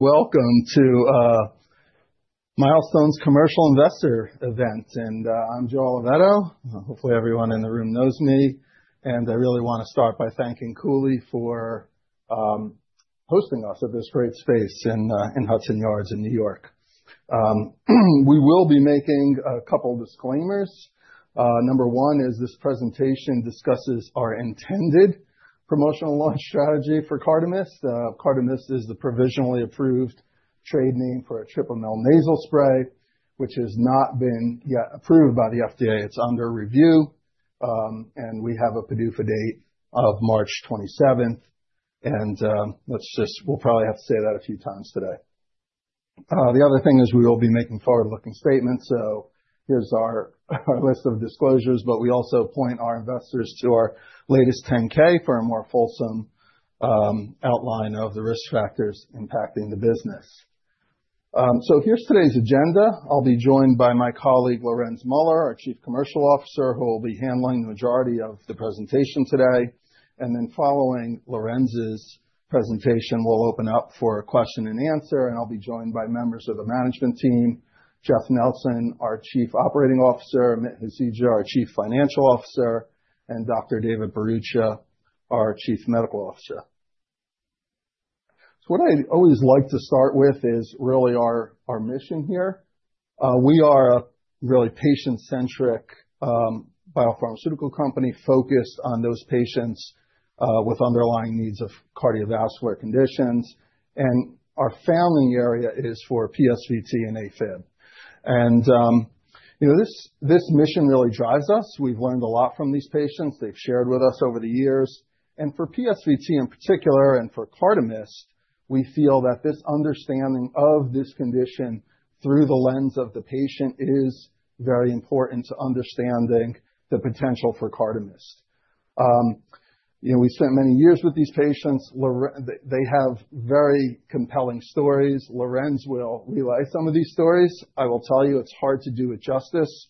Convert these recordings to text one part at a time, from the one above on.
Welcome to Milestone's Commercial Investor Event. I'm Joe Oliveto, hopefully everyone in the room knows me, and I really want to start by thanking Cooley for hosting us at this great space in Hudson Yards in New York. We will be making a couple disclaimers. Number one is this presentation discusses our intended promotional launch strategy for CARDAMYST. CARDAMYST is the provisionally approved trade name for etripamil nasal spray, which has not been yet approved by the FDA. It's under review, and we have a PDUFA date of March 27th, and we'll probably have to say that a few times today. The other thing is we will be making forward-looking statements, so here's our list of disclosures, but we also point our investors to our latest 10-K for a more fulsome outline of the risk factors impacting the business. Here's today's agenda. I'll be joined by my colleague, Lorenz Muller, our Chief Commercial Officer, who will be handling the majority of the presentation today. Following Lorenz's presentation, we'll open up for a question and answer, and I'll be joined by members of the management team, Jeff Nelson, our Chief Operating Officer, Amit Hasija, our Chief Financial Officer, and Dr. David Bharucha, our Chief Medical Officer. What I always like to start with is really our mission here. We are a really patient-centric biopharmaceutical company focused on those patients with underlying needs of cardiovascular conditions, and our founding area is for PSVT and AFib. This mission really drives us. We've learned a lot from these patients. They've shared with us over the years. For PSVT in particular and for CARDAMYST, we feel that this understanding of this condition through the lens of the patient is very important to understanding the potential for CARDAMYST. We spent many years with these patients. They have very compelling stories. Lorenz will relay some of these stories. I will tell you, it's hard to do it justice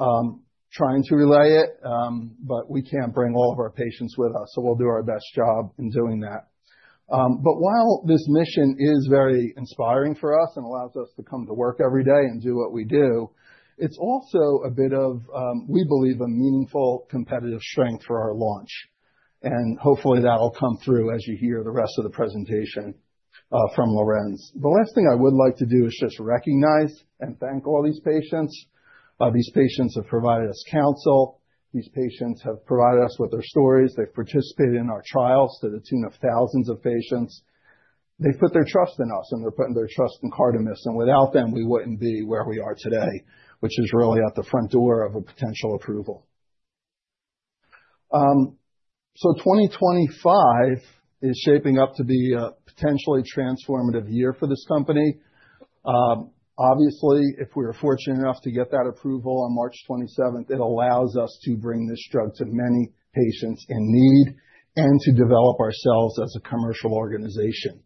trying to relay it, but we can't bring all of our patients with us, so we'll do our best job in doing that. But while this mission is very inspiring for us and allows us to come to work every day and do what we do, it's also a bit of, we believe, a meaningful competitive strength for our launch. Hopefully that'll come through as you hear the rest of the presentation from Lorenz. The last thing I would like to do is just recognize and thank all these patients. These patients have provided us counsel. These patients have provided us with their stories. They've participated in our trials to the tune of thousands of patients. They've put their trust in us, and they're putting their trust in CARDAMYST, and without them, we wouldn't be where we are today, which is really at the front door of a potential approval. 2025 is shaping up to be a potentially transformative year for this company. Obviously, if we are fortunate enough to get that approval on March 27th, it allows us to bring this drug to many patients in need and to develop ourselves as a commercial organization.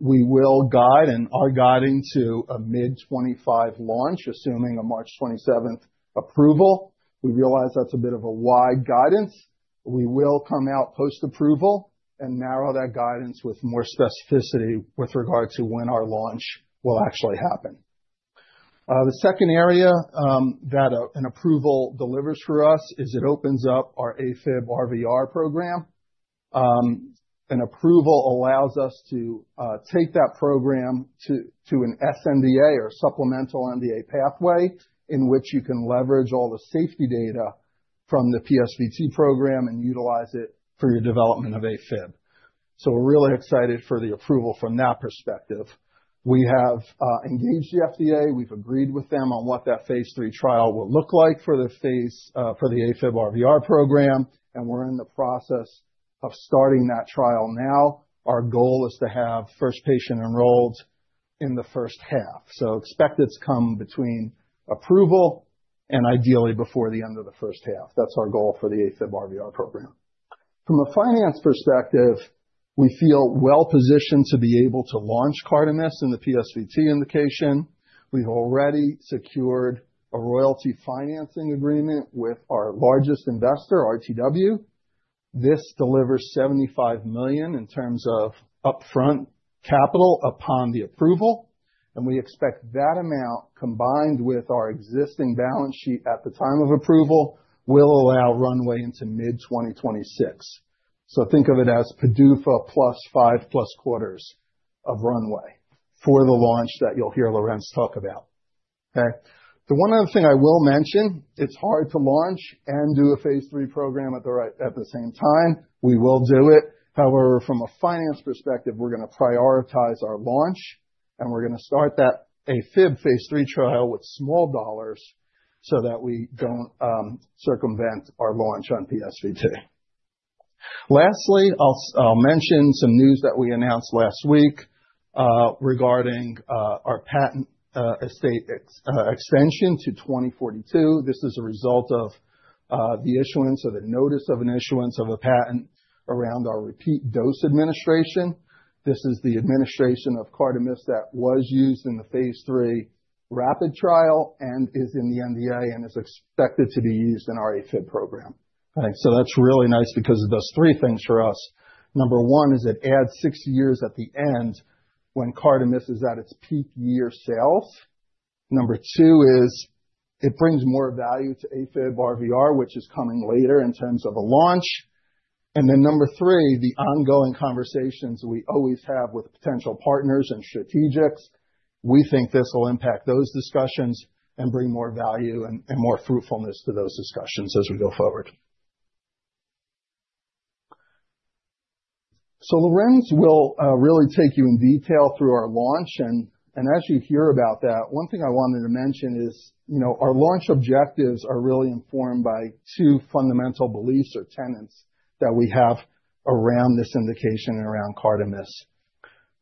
We will guide and are guiding to a mid 2025 launch, assuming a March 27th approval. We realize that's a bit of a wide guidance. We will come out post-approval and narrow that guidance with more specificity with regard to when our launch will actually happen. The second area that an approval delivers for us is it opens up our AFib RVR program. An approval allows us to take that program to an sNDA or supplemental NDA pathway in which you can leverage all the safety data from the PSVT program and utilize it for your development of AFib. We're really excited for the approval from that perspective. We have engaged the FDA. We've agreed with them on what that phase III trial will look like for the AFib RVR program, and we're in the process of starting that trial now. Our goal is to have first patient enrolled in the first half. Expect this to come between approval and ideally before the end of the first half. That's our goal for the AFib RVR program. From a finance perspective, we feel well-positioned to be able to launch CARDAMYST in the PSVT indication. We've already secured a royalty financing agreement with our largest investor, RTW. This delivers $75 million in terms of upfront capital upon the approval, and we expect that amount, combined with our existing balance sheet at the time of approval, will allow runway into mid-2026. Think of it as PDUFA-plus five plus quarters of runway for the launch that you'll hear Lorenz talk about. Okay? The one other thing I will mention, it's hard to launch and do a phase III program at the same time. We will do it. However, from a finance perspective, we're going to prioritize our launch, and we're going to start that AFib phase III trial with small dollars so that we don't circumvent our launch on PSVT. Lastly, I'll mention some news that we announced last week regarding our patent estate extension to 2042. This is a result of the issuance of a notice of an issuance of a patent around our repeat dose administration. This is the administration of CARDAMYST that was used in the phase III RAPID trial and is in the NDA and is expected to be used in our AFib program. That's really nice because it does three things for us. Number one is it adds six years at the end when CARDAMYST is at its peak year sales. Number two is it brings more value to AFib RVR, which is coming later in terms of a launch. Number three, the ongoing conversations we always have with potential partners and strategics. We think this will impact those discussions and bring more value and more fruitfulness to those discussions as we go forward. Lorenz will really take you in detail through our launch. As you hear about that, one thing I wanted to mention is, our launch objectives are really informed by two fundamental beliefs or tenets that we have around this indication and around CARDAMYST.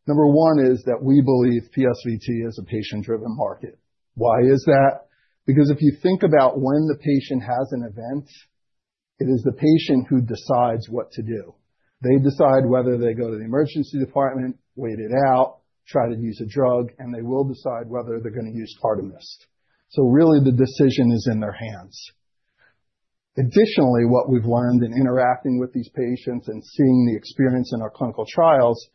Number one is that we believe PSVT is a patient-driven market. Why is that? Because if you think about when the patient has an event, it is the patient who decides what to do. They decide whether they go to the emergency department, wait it out, try to use a drug, and they will decide whether they're going to use CARDAMYST. Really the decision is in their hands. Additionally, what we've learned in interacting with these patients and seeing the experience in our clinical trials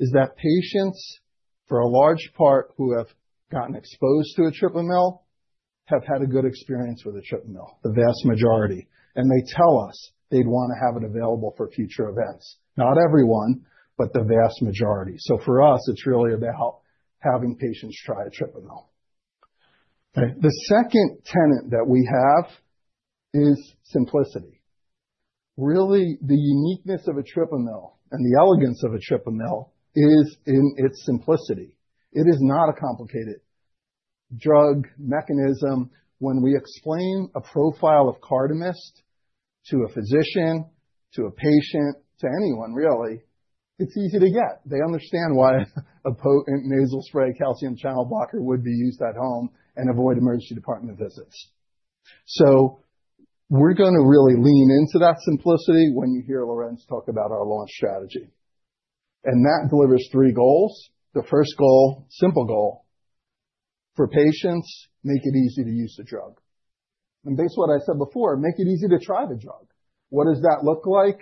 is that patients, for a large part, who have gotten exposed to etripamil have had a good experience with etripamil, the vast majority, and they tell us they'd want to have it available for future events. Not everyone, but the vast majority. For us, it's really about having patients try etripamil. The second tenet that we have is simplicity. Really, the uniqueness of etripamil and the elegance of etripamil is in its simplicity. It is not a complicated drug mechanism. When we explain a profile of CARDAMYST to a physician, to a patient, to anyone, really, it's easy to get. They understand why a nasal spray calcium channel blocker would be used at home and avoid emergency department visits. We're going to really lean into that simplicity when you hear Lorenz talk about our launch strategy. That delivers three goals. The first goal, simple goal, for patients, make it easy to use the drug. Based on what I said before, make it easy to try the drug. What does that look like?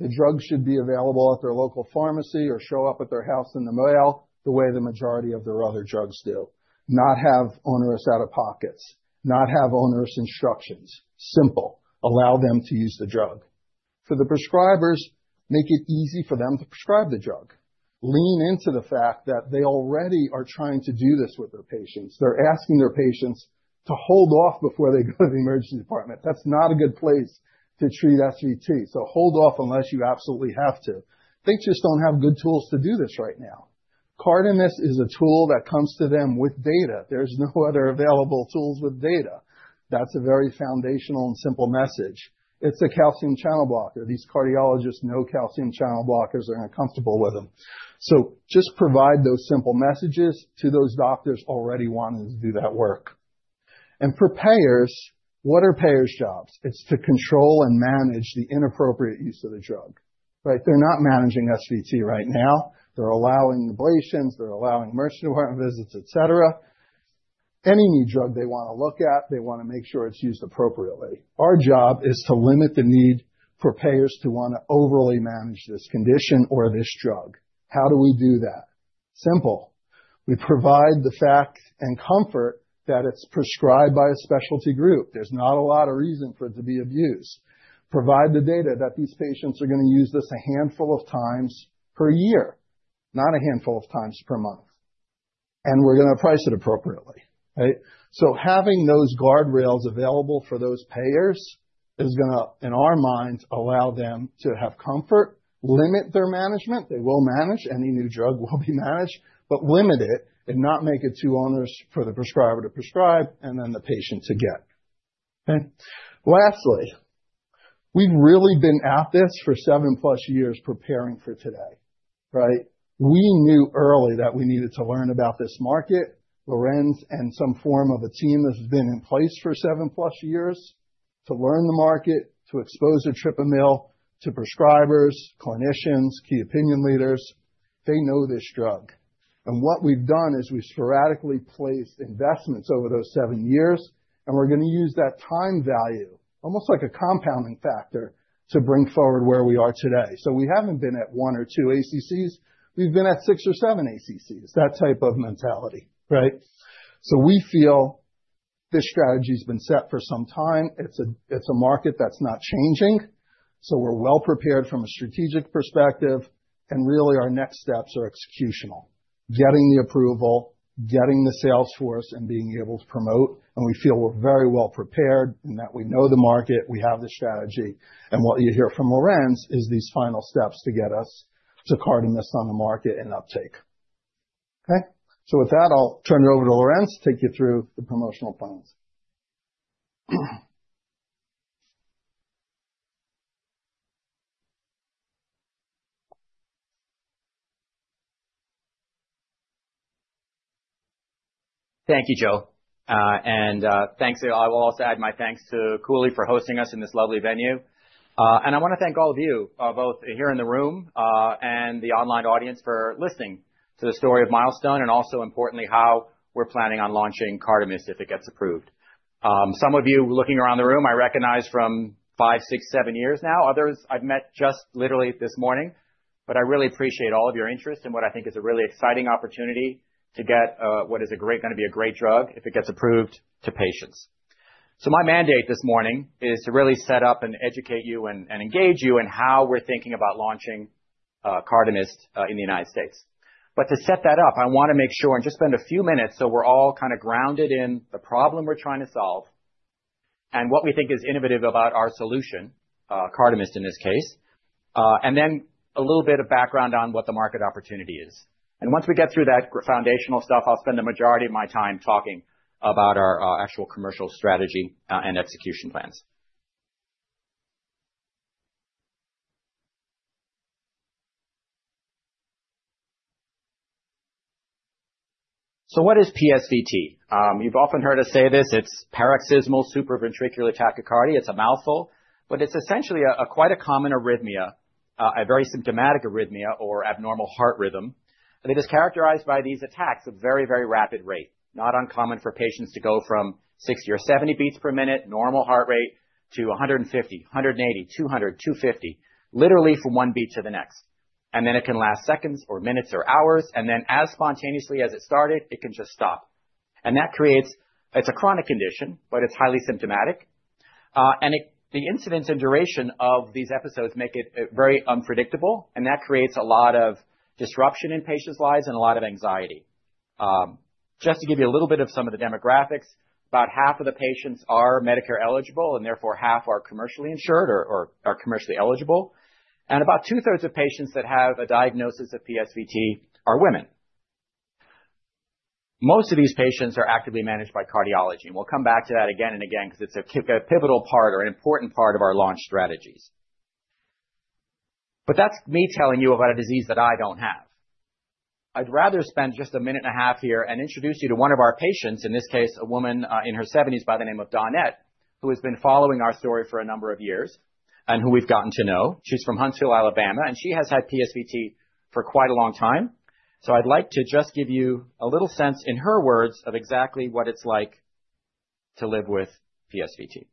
The drug should be available at their local pharmacy or show up at their house in the mail the way the majority of their other drugs do. Not have onerous out-of-pockets, not have onerous instructions. Simple. Allow them to use the drug. For the prescribers, make it easy for them to prescribe the drug. Lean into the fact that they already are trying to do this with their patients. They're asking their patients to hold off before they go to the emergency department. That's not a good place to treat SVT, so hold off unless you absolutely have to. They just don't have good tools to do this right now. CARDAMYST is a tool that comes to them with data. There's no other available tools with data. That's a very foundational and simple message. It's a calcium channel blocker. These cardiologists know calcium channel blockers. They're comfortable with them. Just provide those simple messages to those doctors already wanting to do that work. For payers, what are payers' jobs? It's to control and manage the inappropriate use of the drug, right? They're not managing SVT right now. They're allowing ablations, they're allowing emergency department visits, et cetera. Any new drug they want to look at, they want to make sure it's used appropriately. Our job is to limit the need for payers to want to overly manage this condition or this drug. How do we do that? Simple. We provide the fact and comfort that it's prescribed by a specialty group. There's not a lot of reason for it to be abused. Provide the data that these patients are going to use this a handful of times per year, not a handful of times per month, and we're going to price it appropriately, right? Having those guardrails available for those payers is going to, in our minds, allow them to have comfort, limit their management. They will manage. Any new drug will be managed, but limit it and not make it too onerous for the prescriber to prescribe and then the patient to get. Lastly, we've really been at this for seven plus years, preparing for today, right? We knew early that we needed to learn about this market. Lorenz and some form of a team has been in place for seven plus years to learn the market, to expose etripamil to prescribers, clinicians, key opinion leaders. They know this drug. What we've done is we've sporadically placed investments over those seven years, and we're going to use that time value, almost like a compounding factor, to bring forward where we are today. We haven't been at one or two ACCs. We've been at six or seven ACCs, that type of mentality, right? We feel this strategy's been set for some time. It's a market that's not changing. We're well prepared from a strategic perspective. Really our next steps are executional, getting the approval, getting the sales force, and being able to promote. We feel we're very well prepared and that we know the market, we have the strategy, and what you hear from Lorenz is these final steps to get us to CARDAMYST on the market and uptake. Okay. With that, I'll turn it over to Lorenz to take you through the promotional plans. Thank you, Joe. I will also add my thanks to Cooley for hosting us in this lovely venue. I want to thank all of you, both here in the room and the online audience for listening to the story of Milestone, and also importantly, how we're planning on launching CARDAMYST if it gets approved. Some of you, looking around the room, I recognize from five, six, seven years now. Others I've met just literally this morning, but I really appreciate all of your interest in what I think is a really exciting opportunity to get what is going to be a great drug, if it gets approved, to patients. My mandate this morning is to really set up and educate you and engage you in how we're thinking about launching CARDAMYST in the United States. To set that up, I want to make sure and just spend a few minutes so we're all kind of grounded in the problem we're trying to solve and what we think is innovative about our solution, CARDAMYST in this case, and then a little bit of background on what the market opportunity is. Once we get through that foundational stuff, I'll spend the majority of my time talking about our actual commercial strategy and execution plans. What is PSVT? You've often heard us say this. It's paroxysmal supraventricular tachycardia. It's a mouthful, but it's essentially quite a common arrhythmia, a very symptomatic arrhythmia or abnormal heart rhythm. It is characterized by these attacks of very, very rapid rate. Not uncommon for patients to go from 60 or 70 beats per minute, normal heart rate, to 150, 180, 200, 250, literally from one beat to the next. It can last seconds or minutes or hours, and then as spontaneously as it started, it can just stop. It's a chronic condition, but it's highly symptomatic. The incidence and duration of these episodes make it very unpredictable, and that creates a lot of disruption in patients' lives and a lot of anxiety. Just to give you a little bit of some of the demographics, about half of the patients are Medicare eligible, and therefore half are commercially insured or are commercially eligible. About two-thirds of patients that have a diagnosis of PSVT are women. Most of these patients are actively managed by cardiology, and we'll come back to that again and again because it's a pivotal part or an important part of our launch strategies. That's me telling you about a disease that I don't have. I'd rather spend just a minute and a half here and introduce you to one of our patients, in this case, a woman in her 70s by the name of Donnett, who has been following our story for a number of years and who we've gotten to know. She's from Huntsville, Alabama, and she has had PSVT for quite a long time. I'd like to just give you a little sense in her words of exactly what it's like to live with PSVT.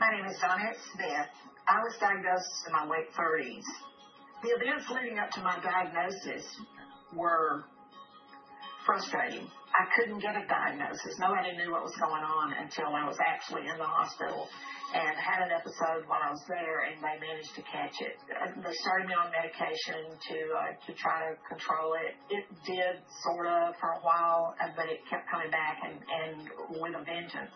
My name is Donnett Smith. I was diagnosed in my late 30s. The events leading up to my diagnosis were frustrating. I couldn't get a diagnosis. Nobody knew what was going on until I was actually in the hospital and had an episode while I was there, and they managed to catch it. They started me on medication to try to control it. It did sort of for a while, but it kept coming back with a vengeance.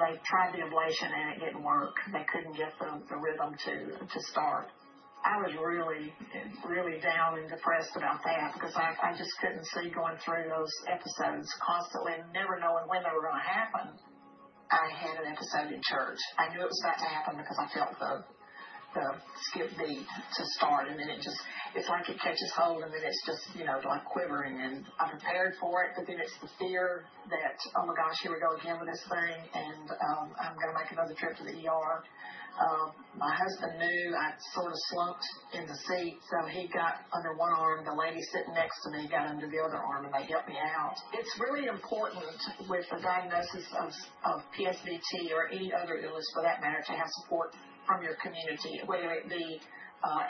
They tried the ablation, and it didn't work. They couldn't get the rhythm to start. I was really down and depressed about that because I just couldn't see going through those episodes constantly and never knowing when they were going to happen. I had an episode in church. I knew it was about to happen because I felt the skipped beat to start, and then it's like it catches hold, and then it's just like quivering and unprepared for it, but then it's the fear that, oh, my gosh, here we go again with this thing, and I'm going to make another trip to the ER. My husband knew I sort of slumped in the seat, so he got under one arm, the lady sitting next to me got under the other arm, and they helped me out. It's really important with the diagnosis of PSVT or any other illness for that matter, to have support from your community, whether it be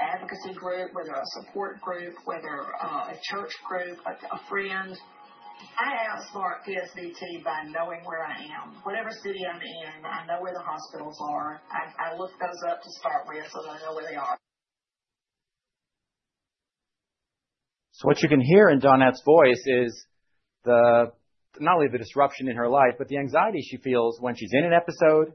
advocacy group, whether a support group, whether a church group, a friend. I outsmart PSVT by knowing where I am. Whatever city I'm in, I know where the hospitals are. I look those up to start with so that I know where they are. What you can hear in Donnett's voice is that not only the disruption in her life, but the anxiety she feels when she's in an episode,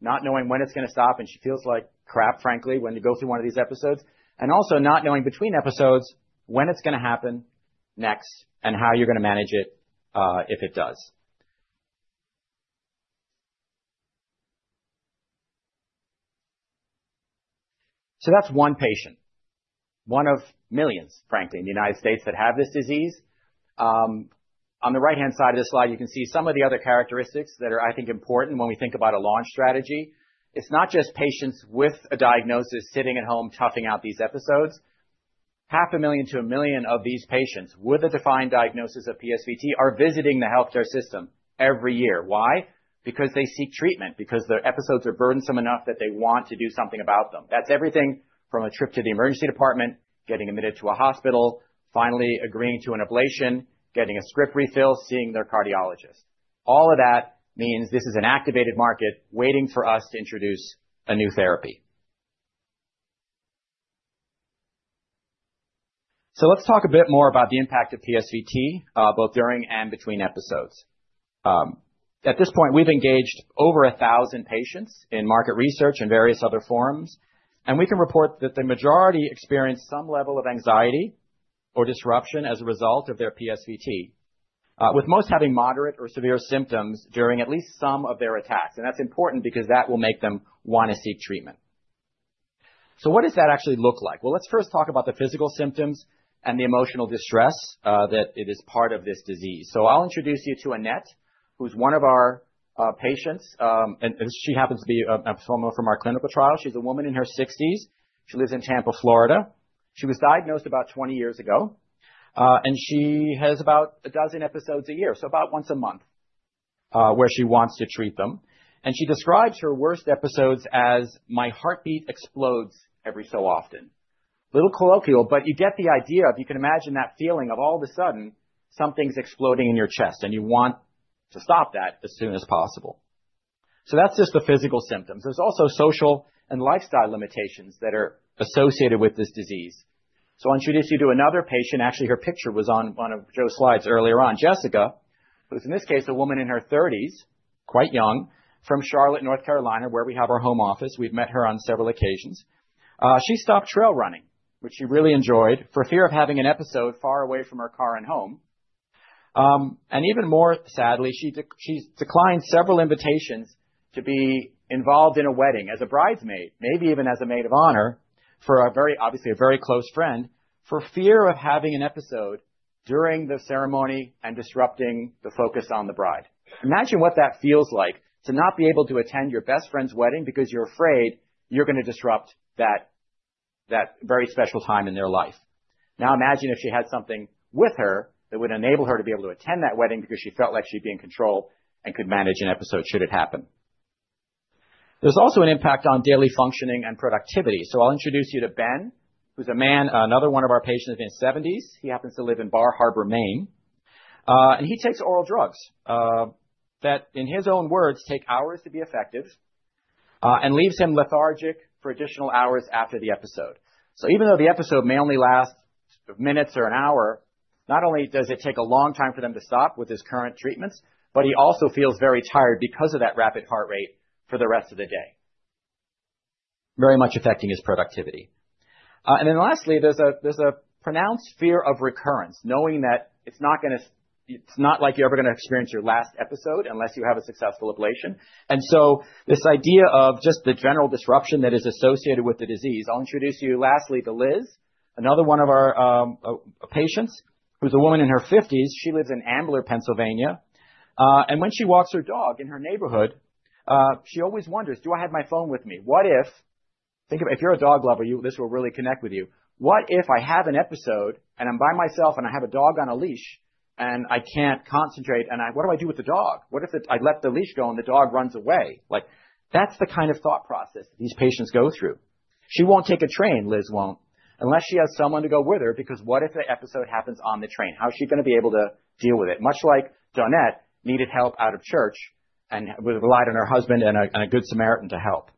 not knowing when it's going to stop, and she feels like crap, frankly, when you go through one of these episodes, and also not knowing between episodes when it's going to happen next and how you're going to manage it if it does. That's one patient, one of millions, frankly, in the United States that have this disease. On the right-hand side of this slide, you can see some of the other characteristics that are, I think, important when we think about a launch strategy. It's not just patients with a diagnosis sitting at home toughing out these episodes. 500,000-1 million of these patients with a defined diagnosis of PSVT are visiting the healthcare system every year. Why? Because they seek treatment, because their episodes are burdensome enough that they want to do something about them. That's everything from a trip to the emergency department, getting admitted to a hospital, finally agreeing to an ablation, getting a script refill, seeing their cardiologist. All of that means this is an activated market waiting for us to introduce a new therapy. Let's talk a bit more about the impact of PSVT, both during and between episodes. At this point, we've engaged over 1,000 patients in market research and various other forums, and we can report that the majority experience some level of anxiety or disruption as a result of their PSVT, with most having moderate or severe symptoms during at least some of their attacks. That's important because that will make them want to seek treatment. What does that actually look like? Well, let's first talk about the physical symptoms and the emotional distress that it is part of this disease. I'll introduce you to Annette, who's one of our patients, and she happens to be a persona from our clinical trial. She's a woman in her 60s. She lives in Tampa, Florida. She was diagnosed about 20 years ago, and she has about a dozen episodes a year, so about once a month, where she wants to treat them. And she describes her worst episodes as, "My heartbeat explodes every so often." A little colloquial, but you get the idea of you can imagine that feeling of all of a sudden something's exploding in your chest and you want to stop that as soon as possible. That's just the physical symptoms. There's also social and lifestyle limitations that are associated with this disease. I'll introduce you to another patient. Actually, her picture was on one of Joe's slides earlier on. Jessica, who's in this case, a woman in her 30s, quite young, from Charlotte, North Carolina, where we have our home office. We've met her on several occasions. She stopped trail running, which she really enjoyed, for fear of having an episode far away from her car and home. Even more sadly, she declined several invitations to be involved in a wedding as a bridesmaid, maybe even as a maid of honor, for, obviously, a very close friend, for fear of having an episode during the ceremony and disrupting the focus on the bride. Imagine what that feels like, to not be able to attend your best friend's wedding because you're afraid you're going to disrupt that very special time in their life. Now imagine if she had something with her that would enable her to be able to attend that wedding because she felt like she'd be in control and could manage an episode should it happen. There's also an impact on daily functioning and productivity. I'll introduce you to Ben, who's a man, another one of our patients in his 70s. He happens to live in Bar Harbor, Maine. He takes oral drugs, that, in his own words, take hours to be effective, and leaves him lethargic for additional hours after the episode. Even though the episode may only last minutes or an hour, not only does it take a long time for them to stop with his current treatments, but he also feels very tired because of that rapid heart rate for the rest of the day, very much affecting his productivity. Then lastly, there's a pronounced fear of recurrence, knowing that it's not like you're ever going to experience your last episode unless you have a successful ablation. This idea of just the general disruption that is associated with the disease. I'll introduce you lastly to Liz, another one of our patients, who's a woman in her 50s. She lives in Ambler, Pennsylvania. When she walks her dog in her neighborhood, she always wonders, do I have my phone with me? If you're a dog lover, this will really connect with you. What if I have an episode and I'm by myself and I have a dog on a leash and I can't concentrate, what do I do with the dog? What if I let the leash go and the dog runs away? That's the kind of thought process these patients go through. She won't take a train, Liz won't, unless she has someone to go with her, because what if the episode happens on the train? How is she going to be able to deal with it? Much like Donnett needed help out of church and relied on her husband and a Good Samaritan to help.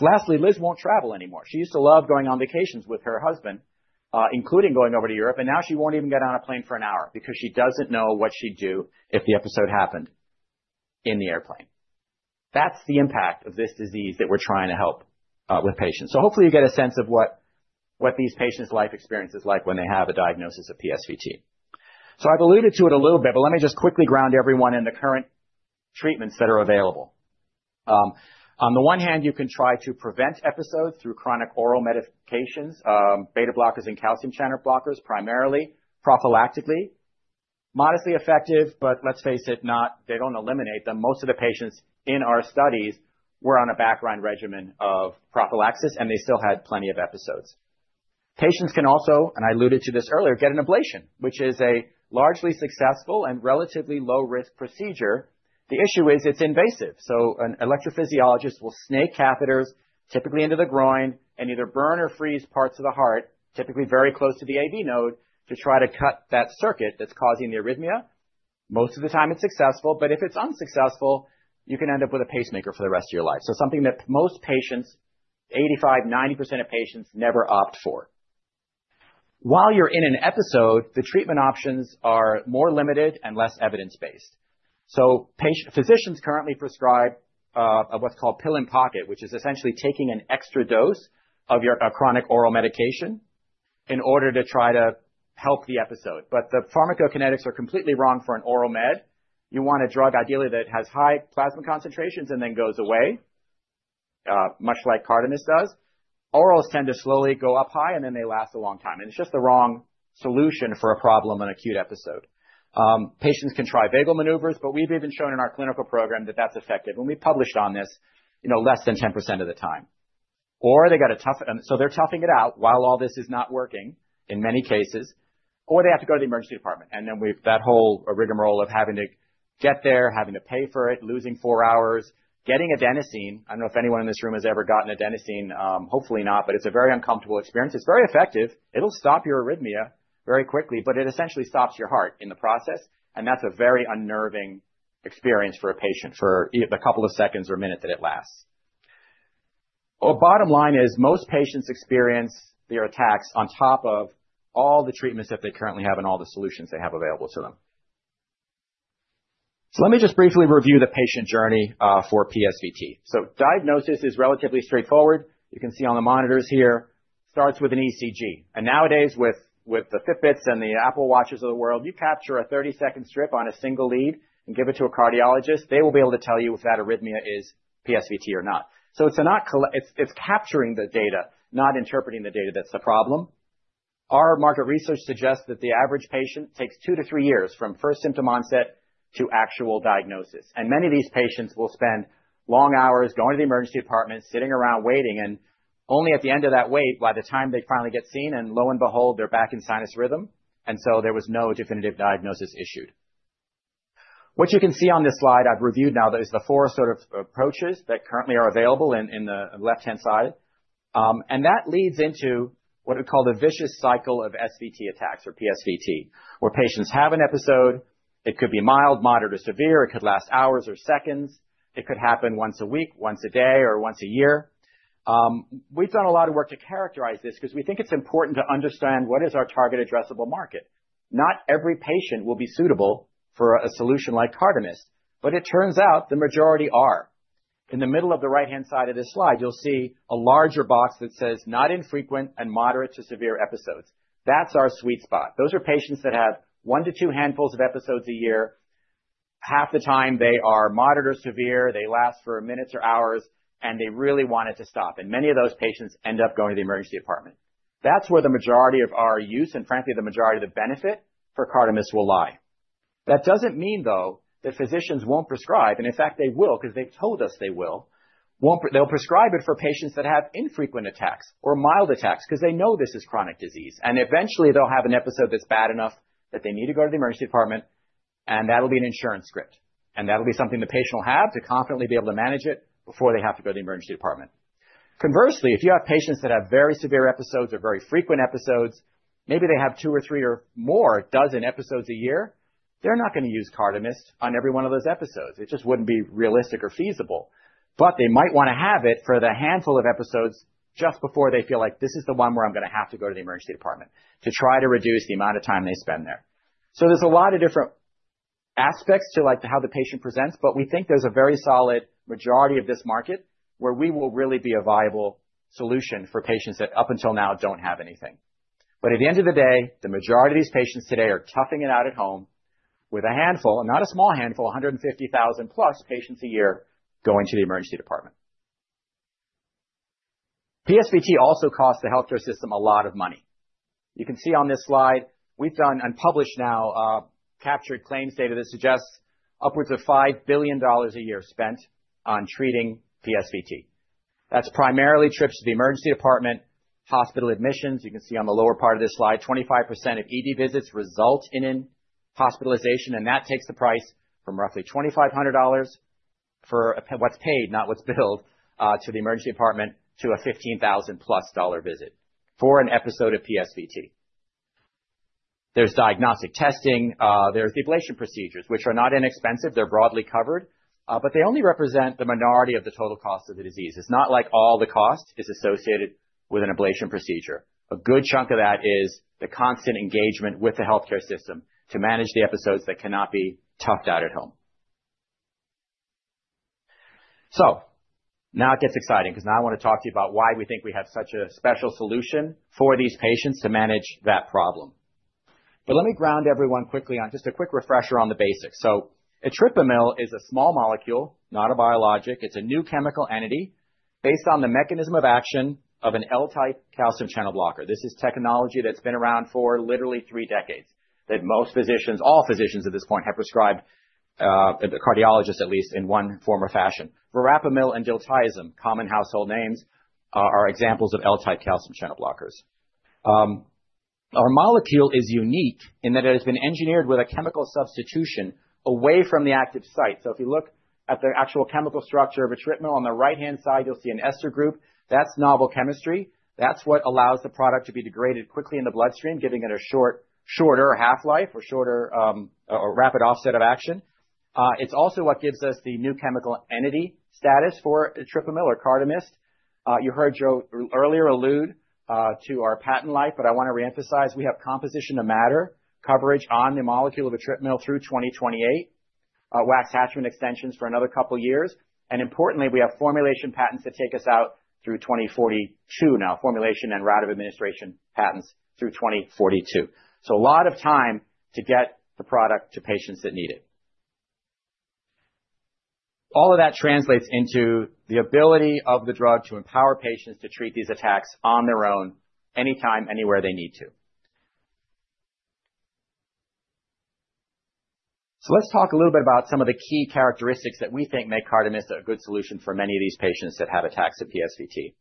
Lastly, Liz won't travel anymore. She used to love going on vacations with her husband, including going over to Europe, and now she won't even get on a plane for an hour because she doesn't know what she'd do if the episode happened in the airplane. That's the impact of this disease that we're trying to help with patients. Hopefully you get a sense of what these patients' life experience is like when they have a diagnosis of PSVT. I've alluded to it a little bit, but let me just quickly ground everyone in the current treatments that are available. On the one hand, you can try to prevent episodes through chronic oral medications, beta blockers and calcium channel blockers, primarily, prophylactically. Modestly effective, but let's face it, they don't eliminate them. Most of the patients in our studies were on a background regimen of prophylaxis, and they still had plenty of episodes. Patients can also, and I alluded to this earlier, get an ablation, which is a largely successful and relatively low-risk procedure. The issue is it's invasive. An electrophysiologist will snake catheters, typically into the groin, and either burn or freeze parts of the heart, typically very close to the AV node, to try to cut that circuit that's causing the arrhythmia. Most of the time it's successful, but if it's unsuccessful, you can end up with a pacemaker for the rest of your life. Something that most patients, 85%-90% of patients never opt for. While you're in an episode, the treatment options are more limited and less evidence-based. Physicians currently prescribe what's called pill in pocket, which is essentially taking an extra dose of your chronic oral medication in order to try to help the episode. The pharmacokinetics are completely wrong for an oral med. You want a drug ideally that has high plasma concentrations and then goes away, much like CARDAMYST does. Orals tend to slowly go up high, and then they last a long time. It's just the wrong solution for a problem in an acute episode. Patients can try vagal maneuvers, but we've even shown in our clinical program that that's effective, and we published on this, less than 10% of the time. They're toughing it out while all this is not working in many cases, or they have to go to the emergency department. We've that whole rigmarole of having to get there, having to pay for it, losing four hours, getting adenosine. I don't know if anyone in this room has ever gotten adenosine. Hopefully not, but it's a very uncomfortable experience. It's very effective. It'll stop your arrhythmia very quickly, but it essentially stops your heart in the process, and that's a very unnerving experience for a patient for the couple of seconds or minute that it lasts. Bottom line is most patients experience their attacks on top of all the treatments that they currently have and all the solutions they have available to them. Let me just briefly review the patient journey for PSVT. Diagnosis is relatively straightforward. You can see on the monitors here, starts with an ECG. Nowadays, with the Fitbits and the Apple Watches of the world, you capture a 30-second strip on a single lead and give it to a cardiologist, they will be able to tell you if that arrhythmia is PSVT or not. It's capturing the data, not interpreting the data that's the problem. Our market research suggests that the average patient takes two to three years from first symptom onset to actual diagnosis. Many of these patients will spend long hours going to the emergency department, sitting around waiting, and only at the end of that wait, by the time they finally get seen, and lo and behold, they're back in sinus rhythm, and so there was no definitive diagnosis issued. What you can see on this slide I've reviewed now, that is the four sort of approaches that currently are available in the left-hand side. That leads into what are called a vicious cycle of SVT attacks or PSVT, where patients have an episode. It could be mild, moderate, or severe. It could last hours or seconds. It could happen once a week, once a day, or once a year. We've done a lot of work to characterize this because we think it's important to understand what is our target addressable market. Not every patient will be suitable for a solution like CARDAMYST, but it turns out the majority are. In the middle of the right-hand side of this slide, you'll see a larger box that says, "Not infrequent and moderate to severe episodes." That's our sweet spot. Those are patients that have one to two handfuls of episodes a year. Half the time they are moderate, severe. They last for minutes or hours, and they really want it to stop. Many of those patients end up going to the emergency department. That's where the majority of our use and frankly, the majority of the benefit for CARDAMYST will lie. That doesn't mean, though, that physicians won't prescribe, and in fact, they will, because they've told us they will. They'll prescribe it for patients that have infrequent attacks or mild attacks because they know this is a chronic disease. Eventually, they'll have an episode that's bad enough that they need to go to the emergency department, and that'll be an insurance script. That'll be something the patient will have to confidently be able to manage it before they have to go to the emergency department. Conversely, if you have patients that have very severe episodes or very frequent episodes, maybe they have two or three or more dozen episodes a year. They're not going to use CARDAMYST on every one of those episodes. It just wouldn't be realistic or feasible. They might want to have it for the handful of episodes just before they feel like, "This is the one where I'm going to have to go to the emergency department," to try to reduce the amount of time they spend there. There's a lot of different aspects to how the patient presents, but we think there's a very solid majority of this market where we will really be a viable solution for patients that up until now, don't have anything. At the end of the day, the majority of these patients today are toughing it out at home with a handful, not a small handful, 150,000+ patients a year going to the emergency department. PSVT also costs the healthcare system a lot of money. You can see on this slide, we've done and published now, captured claims data that suggests upwards of $5 billion a year spent on treating PSVT. That's primarily trips to the emergency department, hospital admissions. You can see on the lower part of this slide, 25% of ED visits result in hospitalization, and that takes the price from roughly $2,500 for what's paid, not what's billed, to the emergency department to a $15,000+ visit for an episode of PSVT. There's diagnostic testing, there's the ablation procedures, which are not inexpensive. They're broadly covered, but they only represent the minority of the total cost of the disease. It's not like all the cost is associated with an ablation procedure. A good chunk of that is the constant engagement with the healthcare system to manage the episodes that cannot be toughed out at home. Now it gets exciting because now I want to talk to you about why we think we have such a special solution for these patients to manage that problem. Let me ground everyone quickly on just a quick refresher on the basics. Etripamil is a small molecule, not a biologic. It's a new chemical entity based on the mechanism of action of an L-type calcium channel blocker. This is technology that's been around for literally three decades, that most physicians, all physicians at this point, have prescribed, the cardiologists at least in one form or fashion. Verapamil and diltiazem, common household names, are examples of L-type calcium channel blockers. Our molecule is unique in that it has been engineered with a chemical substitution away from the active site. If you look at the actual chemical structure of etripamil, on the right-hand side, you'll see an ester group. That's novel chemistry. That's what allows the product to be degraded quickly in the bloodstream, giving it a shorter half-life or shorter rapid offset of action. It's also what gives us the new chemical entity status for etripamil or CARDAMYST. You heard Joe earlier allude to our patent life, but I want to reemphasize, we have composition of matter coverage on the molecule of etripamil through 2028, Hatch-Waxman extensions for another couple of years. Importantly, we have formulation patents that take us out through 2042 now, formulation and route of administration patents through 2042. A lot of time to get the product to patients that need it. All of that translates into the ability of the drug to empower patients to treat these attacks on their own, anytime, anywhere they need to. Let's talk a little bit about some of the key characteristics that we think make CARDAMYST a good solution for many of these patients that have attacks of PSVT.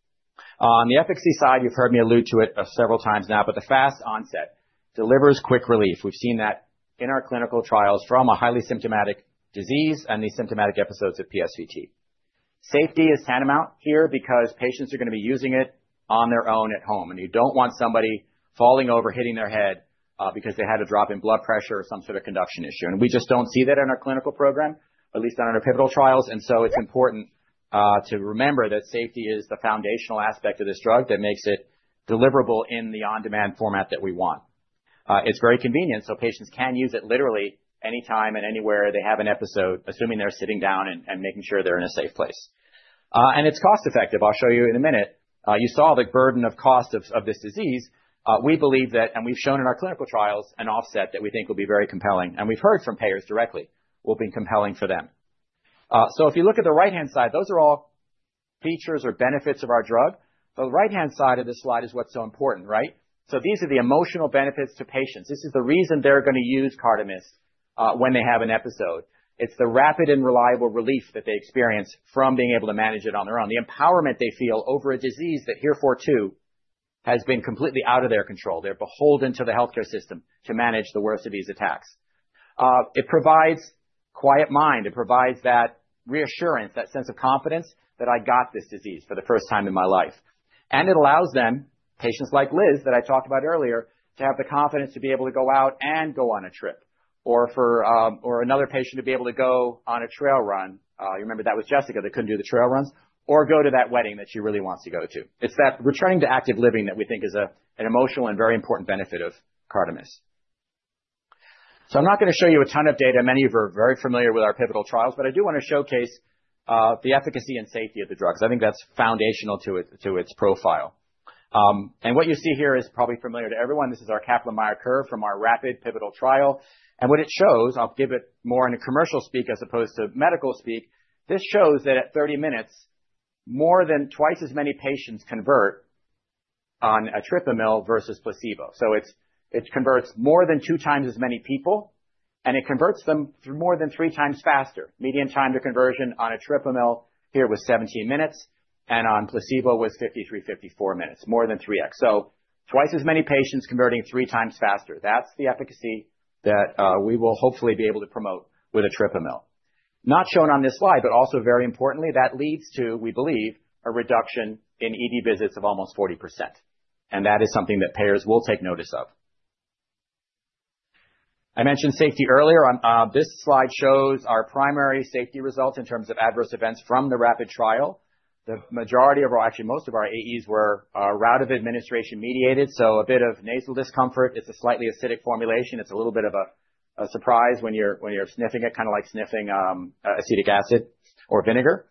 On the efficacy side, you've heard me allude to it several times now, but the fast onset delivers quick relief. We've seen that in our clinical trials from a highly symptomatic disease and these symptomatic episodes of PSVT. Safety is paramount here because patients are going to be using it on their own at home, and you don't want somebody falling over, hitting their head because they had a drop in blood pressure or some sort of conduction issue. We just don't see that in our clinical program, at least not in our pivotal trials. It's important to remember that safety is the foundational aspect of this drug that makes it deliverable in the on-demand format that we want. It's very convenient, so patients can use it literally anytime and anywhere they have an episode, assuming they're sitting down and making sure they're in a safe place. It's cost-effective. I'll show you in a minute. You saw the burden of cost of this disease. We believe that, and we've shown in our clinical trials an offset that we think will be very compelling, and we've heard from payers directly will be compelling for them. If you look at the right-hand side, those are all features or benefits of our drug. The right-hand side of this slide is what's so important, right? These are the emotional benefits to patients. This is the reason they're going to use CARDAMYST when they have an episode. It's the rapid and reliable relief that they experience from being able to manage it on their own. The empowerment they feel over a disease that heretofore too, has been completely out of their control. They're beholden to the healthcare system to manage the worst of these attacks. It provides peace of mind. It provides that reassurance, that sense of confidence that I got this disease for the first time in my life. It allows them, patients like Liz that I talked about earlier, to have the confidence to be able to go out and go on a trip. Another patient to be able to go on a trail run, you remember that was Jessica that couldn't do the trail runs, or go to that wedding that she really wants to go to. It's that returning to active living that we think is an emotional and very important benefit of CARDAMYST. I'm not going to show you a ton of data. Many of you are very familiar with our pivotal trials, but I do want to showcase the efficacy and safety of the drugs. I think that's foundational to its profile. What you see here is probably familiar to everyone. This is our Kaplan-Meier curve from our RAPID pivotal trial. What it shows, I'll give it more in a commercial speak as opposed to medical speak. This shows that at 30 minutes, more than twice as many patients convert on etripamil versus placebo. It converts more than two times as many people, and it converts them more than three times faster. Median time to conversion on etripamil here was 17 minutes, and on placebo was 53-54 minutes, more than 3x. Twice as many patients converting three times faster. That's the efficacy that we will hopefully be able to promote with etripamil. Not shown on this slide, but also very importantly, that leads to, we believe, a reduction in ED visits of almost 40%, and that is something that payers will take notice of. I mentioned safety earlier. This slide shows our primary safety results in terms of adverse events from the RAPID trial. Actually most of our AEs were route of administration mediated, so a bit of nasal discomfort. It's a slightly acidic formulation. It's a little bit of a surprise when you're sniffing it, kind of like sniffing acetic acid or vinegar.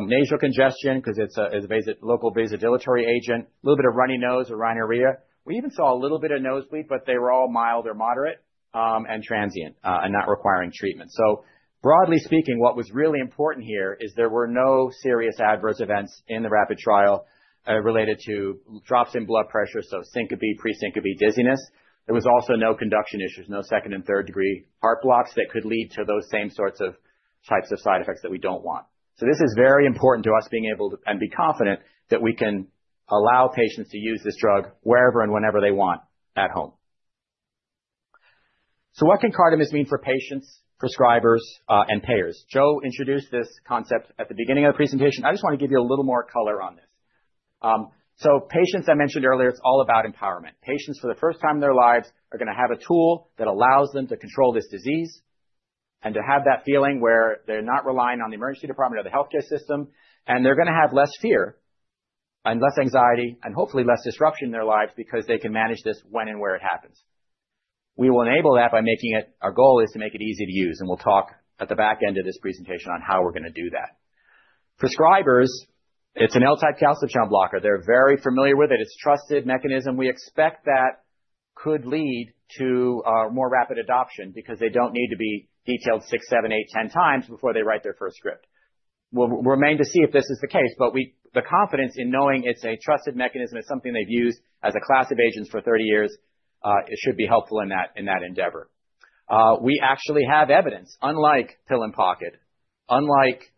Nasal congestion, because it's a local vasodilatory agent, little bit of runny nose or rhinorrhea. We even saw a little bit of nosebleed, but they were all mild or moderate, and transient, and not requiring treatment. Broadly speaking, what was really important here is there were no serious adverse events in the RAPID trial, related to drops in blood pressure, so syncope, pre-syncope dizziness. There was also no conduction issues, no second and third degree heart blocks that could lead to those same sorts of types of side effects that we don't want. This is very important to us being able and be confident that we can allow patients to use this drug wherever and whenever they want at home. What can CARDAMYST mean for patients, prescribers, and payers? Joe introduced this concept at the beginning of the presentation. I just want to give you a little more color on this. Patients I mentioned earlier, it's all about empowerment. Patients for the first time in their lives are going to have a tool that allows them to control this disease and to have that feeling where they're not relying on the emergency department or the healthcare system, and they're going to have less fear and less anxiety and hopefully less disruption in their lives because they can manage this when and where it happens. We will enable that, our goal is to make it easy to use, and we'll talk at the back end of this presentation on how we're going to do that. Prescribers, it's an L-type calcium channel blocker. They're very familiar with it. It's trusted mechanism. We expect that could lead to more rapid adoption because they don't need to be detailed six, seven, eight, 10 times before they write their first script. It remains to be seen if this is the case, but the confidence in knowing it's a trusted mechanism, it's something they've used as a class of agents for 30 years, it should be helpful in that endeavor. We actually have evidence, unlike pill-in-the-pocket, unlike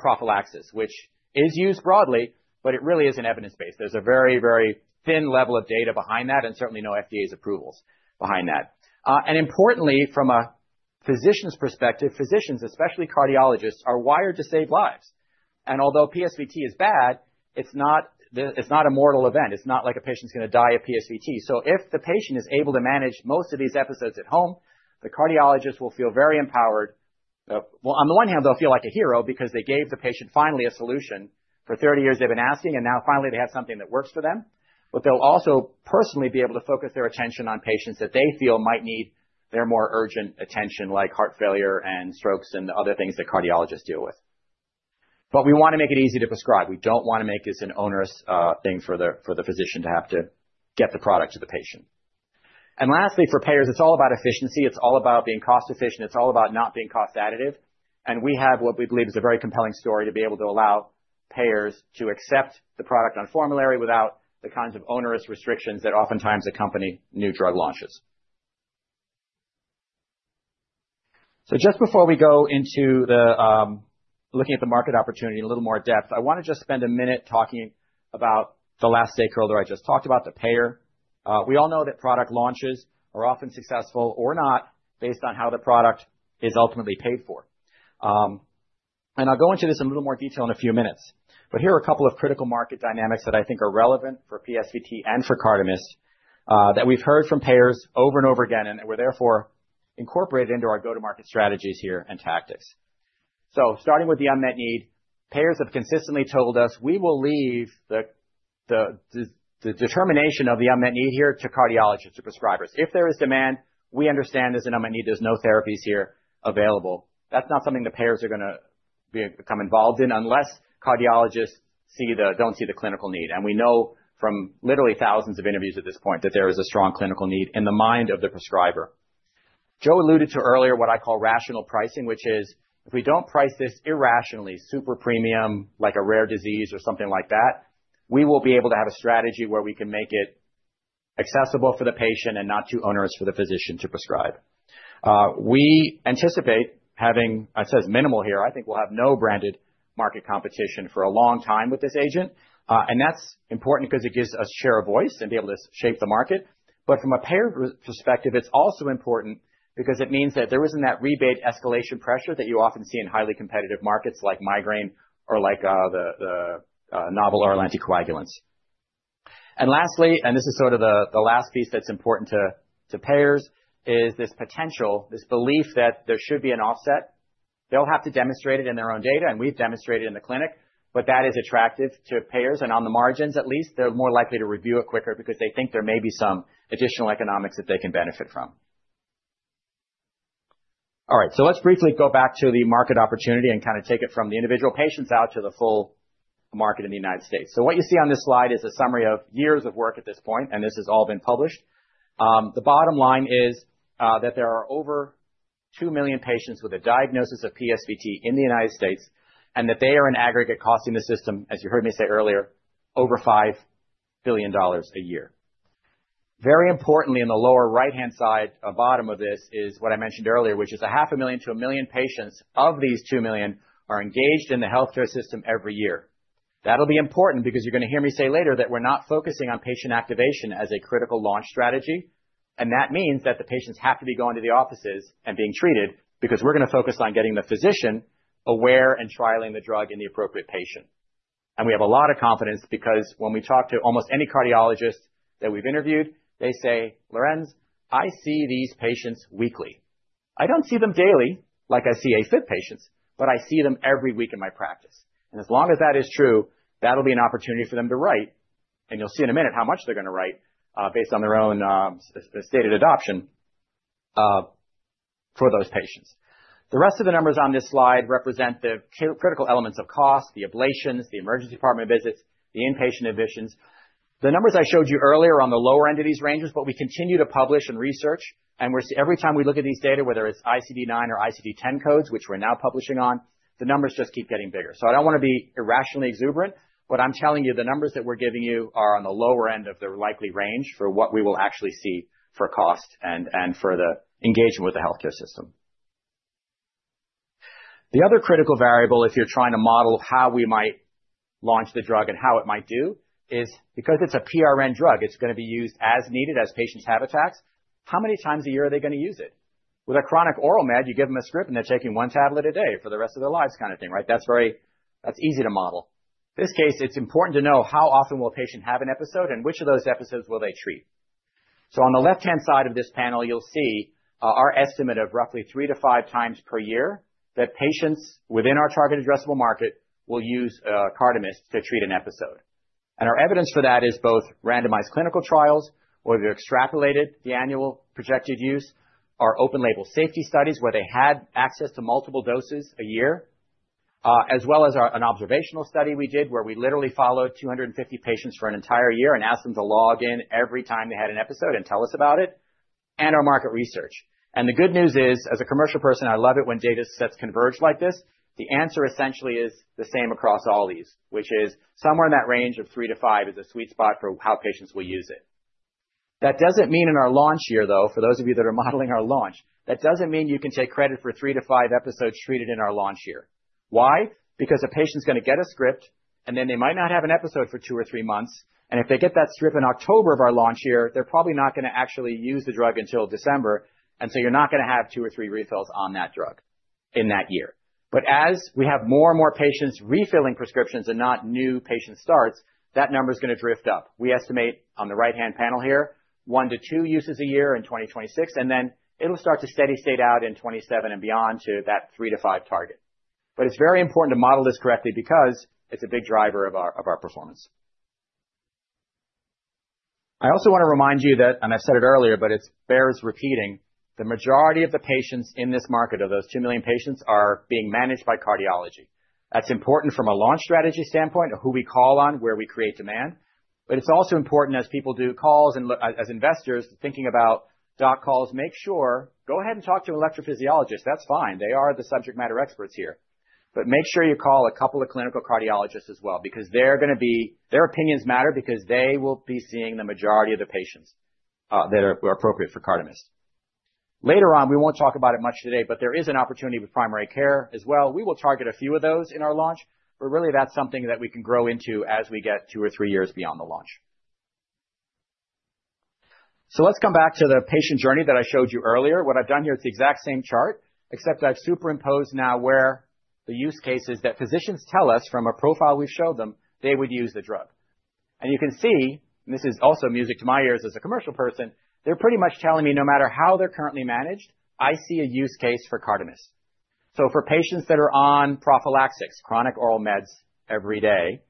prophylaxis, which is used broadly, but it really isn't evidence-based. There's a very, very thin level of data behind that and certainly no FDA approvals behind that. Importantly, from a physician's perspective, physicians, especially cardiologists, are wired to save lives. Although PSVT is bad, it's not a mortal event. It's not like a patient's going to die of PSVT. If the patient is able to manage most of these episodes at home, the cardiologist will feel very empowered. Well, on the one hand, they'll feel like a hero because they gave the patient finally a solution. For 30 years they've been asking, and now finally they have something that works for them. They'll also personally be able to focus their attention on patients that they feel might need their more urgent attention, like heart failure and strokes and other things that cardiologists deal with. We want to make it easy to prescribe. We don't want to make this an onerous thing for the physician to have to get the product to the patient. Lastly, for payers, it's all about efficiency. It's all about being cost efficient. It's all about not being cost additive. We have what we believe is a very compelling story to be able to allow payers to accept the product on formulary without the kinds of onerous restrictions that oftentimes accompany new drug launches. Just before we go into looking at the market opportunity in a little more depth, I want to just spend a minute talking about the last stakeholder I just talked about, the payer. We all know that product launches are often successful or not based on how the product is ultimately paid for. I'll go into this in a little more detail in a few minutes. Here are a couple of critical market dynamics that I think are relevant for PSVT and for CARDAMYST, that we've heard from payers over and over again, and were therefore incorporated into our go-to-market strategies here and tactics. Starting with the unmet need, payers have consistently told us we will leave the determination of the unmet need here to cardiologists or prescribers. If there is demand, we understand there's an unmet need, there's no therapies here available. That's not something the payers are going to become involved in unless cardiologists don't see the clinical need. We know from literally thousands of interviews at this point that there is a strong clinical need in the mind of the prescriber. Joe alluded to earlier what I call rational pricing, which is if we don't price this irrationally super premium, like a rare disease or something like that. We will be able to have a strategy where we can make it accessible for the patient and not too onerous for the physician to prescribe. We anticipate having, it says minimal here, I think we'll have no branded market competition for a long time with this agent. That's important because it gives us share of voice and be able to shape the market. From a payer perspective, it's also important because it means that there isn't that rebate escalation pressure that you often see in highly competitive markets like migraine or like the novel oral anticoagulants. Lastly, and this is sort of the last piece that's important to payers, is this potential, this belief that there should be an offset. They'll have to demonstrate it in their own data, and we've demonstrated it in the clinic, but that is attractive to payers. On the margins at least, they're more likely to review it quicker because they think there may be some additional economics that they can benefit from. All right, let's briefly go back to the market opportunity and take it from the individual patients out to the full market in the United States. What you see on this slide is a summary of years of work at this point, and this has all been published. The bottom line is that there are over 2 million patients with a diagnosis of PSVT in the United States, and that they are an aggregate costing the system, as you heard me say earlier, over $5 billion a year. Very importantly, in the lower right-hand side bottom of this is what I mentioned earlier, which is 500,000 million to 1 million patients of these 2 million are engaged in the healthcare system every year. That'll be important because you're going to hear me say later that we're not focusing on patient activation as a critical launch strategy, and that means that the patients have to be going to the offices and being treated, because we're going to focus on getting the physician aware and trialing the drug in the appropriate patient. We have a lot of confidence because when we talk to almost any cardiologist that we've interviewed, they say, "Lorenz, I see these patients weekly. I don't see them daily like I see AFib patients, but I see them every week in my practice." As long as that is true, that'll be an opportunity for them to write, and you'll see in a minute how much they're going to write, based on their own stated adoption for those patients. The rest of the numbers on this slide represent the critical elements of cost, the ablations, the emergency department visits, the inpatient admissions. The numbers I showed you earlier are on the lower end of these ranges, but we continue to publish and research, and every time we look at these data, whether it's ICD-9 or ICD-10 codes, which we're now publishing on, the numbers just keep getting bigger. I don't want to be irrationally exuberant, but I'm telling you, the numbers that we're giving you are on the lower end of the likely range for what we will actually see for cost and for the engagement with the healthcare system. The other critical variable, if you're trying to model how we might launch the drug and how it might do, is because it's a PRN drug, it's going to be used as needed as patients have attacks. How many times a year are they going to use it? With a chronic oral med, you give them a script and they're taking one tablet a day for the rest of their lives kind of thing, right? That's easy to model. In this case, it's important to know how often will a patient have an episode and which of those episodes will they treat. On the left-hand side of this panel, you'll see our estimate of roughly three to five times per year that patients within our target addressable market will use CARDAMYST to treat an episode. Our evidence for that is both randomized clinical trials, where we've extrapolated the annual projected use, our open label safety studies, where they had access to multiple doses a year, as well as an observational study we did where we literally followed 250 patients for an entire year and asked them to log in every time they had an episode and tell us about it, and our market research. The good news is, as a commercial person, I love it when data sets converge like this. The answer essentially is the same across all these, which is somewhere in that range of three to five is a sweet spot for how patients will use it. That doesn't mean in our launch year, though, for those of you that are modeling our launch, that doesn't mean you can take credit for three to five episodes treated in our launch year. Why? Because a patient's going to get a script, and then they might not have an episode for two or three months, and if they get that script in October of our launch year, they're probably not going to actually use the drug until December, and so you're not going to have two or three refills on that drug in that year. But as we have more and more patients refilling prescriptions and not new patient starts, that number's going to drift up. We estimate on the right-hand panel here, one to two uses a year in 2026, and then it'll start to steady state out in 2027 and beyond to that three to five target. It's very important to model this correctly because it's a big driver of our performance. I also want to remind you that, and I said it earlier, but it bears repeating, the majority of the patients in this market, of those 2 million patients, are being managed by cardiology. That's important from a launch strategy standpoint of who we call on, where we create demand. It's also important as people do calls and as investors thinking about doc calls, make sure, go ahead and talk to your electrophysiologist. That's fine. They are the subject matter experts here. Make sure you call a couple of clinical cardiologists as well, because their opinions matter because they will be seeing the majority of the patients that are appropriate for CARDAMYST. Later on, we won't talk about it much today, but there is an opportunity with primary care as well. We will target a few of those in our launch, but really that's something that we can grow into as we get two or three years beyond the launch. Let's come back to the patient journey that I showed you earlier. What I've done here is the exact same chart, except I've superimposed now where the use cases that physicians tell us from a profile we've showed them they would use the drug. You can see, and this is also music to my ears as a commercial person, they're pretty much telling me, no matter how they're currently managed, I see a use case for CARDAMYST. For patients that are on prophylaxis, chronic oral meds every day,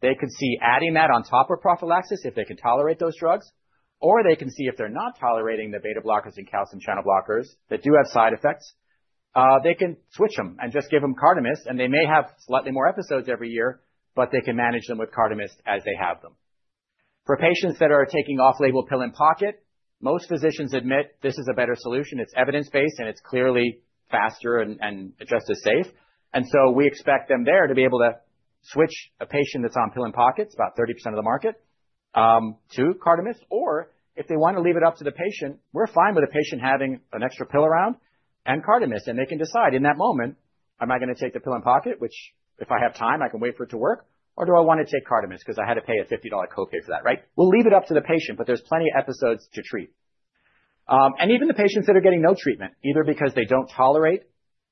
they could see adding that on top of prophylaxis if they can tolerate those drugs, or they can see if they're not tolerating the beta blockers and calcium channel blockers that do have side effects, they can switch them and just give them CARDAMYST, and they may have slightly more episodes every year, but they can manage them with CARDAMYST as they have. For patients that are taking off-label pill-in-the-pocket, most physicians admit this is a better solution. It's evidence-based, and it's clearly faster and just as safe. We expect them to be able to switch a patient that's on pill-in-the-pocket, about 30% of the market, to CARDAMYST. If they want to leave it up to the patient, we're fine with a patient having an extra pill around and CARDAMYST. They can decide in that moment, am I going to take the pill-in-the-pocket, which if I have time, I can wait for it to work, or do I want to take CARDAMYST because I had to pay a $50 copay for that, right? We'll leave it up to the patient, but there's plenty of episodes to treat. Even the patients that are getting no treatment, either because they don't tolerate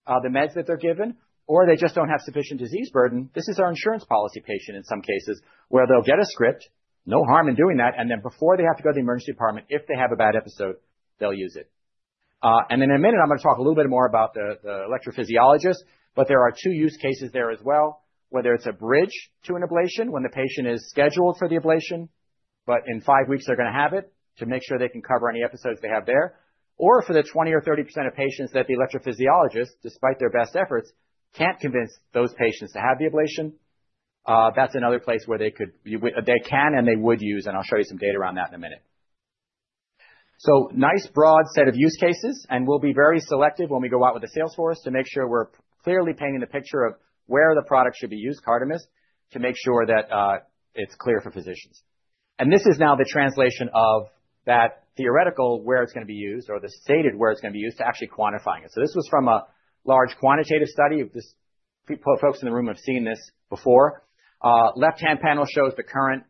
the meds that they're given or they just don't have sufficient disease burden, this is our insurance policy patient, in some cases, where they'll get a script, no harm in doing that, and then before they have to go to the emergency department, if they have a bad episode, they'll use it. In a minute, I'm going to talk a little bit more about the electrophysiologist, but there are two use cases there as well, whether it's a bridge to an ablation when the patient is scheduled for the ablation, but in five weeks, they're going to have it to make sure they can cover any episodes they have there. For the 20% or 30% of patients that the electrophysiologist, despite their best efforts, can't convince those patients to have the ablation. That's another place where they can and they would use, and I'll show you some data around that in a minute. Nice broad set of use cases, and we'll be very selective when we go out with the salesforce to make sure we're clearly painting the picture of where the product should be used, CARDAMYST, to make sure that it's clear for physicians. This is now the translation of that theoretical, where it's going to be used, or the stated where it's going to be used, to actually quantifying it. This was from a large quantitative study. Folks in the room have seen this before. Left-hand panel shows the current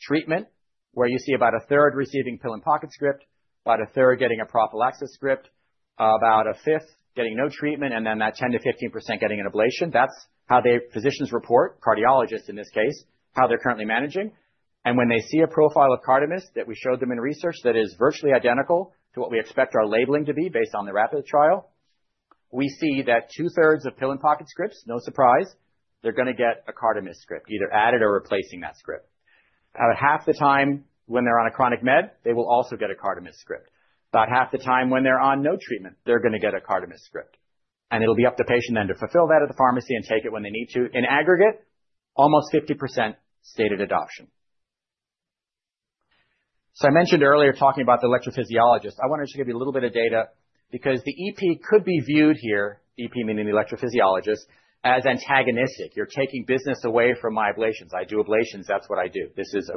treatment, where you see about a third receiving pill-in-the-pocket script, about a third getting a prophylaxis script, about a fifth getting no treatment, and then that 10%-15% getting an ablation. That's how their physicians report, cardiologists in this case, how they're currently managing. When they see a profile of CARDAMYST that we showed them in research that is virtually identical to what we expect our labeling to be based on the RAPID trial, we see that two-thirds of pill-in-the-pocket scripts, no surprise, they're going to get a CARDAMYST script, either added or replacing that script. About half the time when they're on a chronic med, they will also get a CARDAMYST script. About half the time when they're on no treatment, they're going to get a CARDAMYST script. It'll be up to the patient then to fulfill that at the pharmacy and take it when they need to. In aggregate, almost 50% stated adoption. I mentioned earlier, talking about the electrophysiologist. I wanted to give you a little bit of data because the EP could be viewed here, EP meaning the electrophysiologist, as antagonistic. You're taking business away from my ablations. I do ablations. That's what I do. This is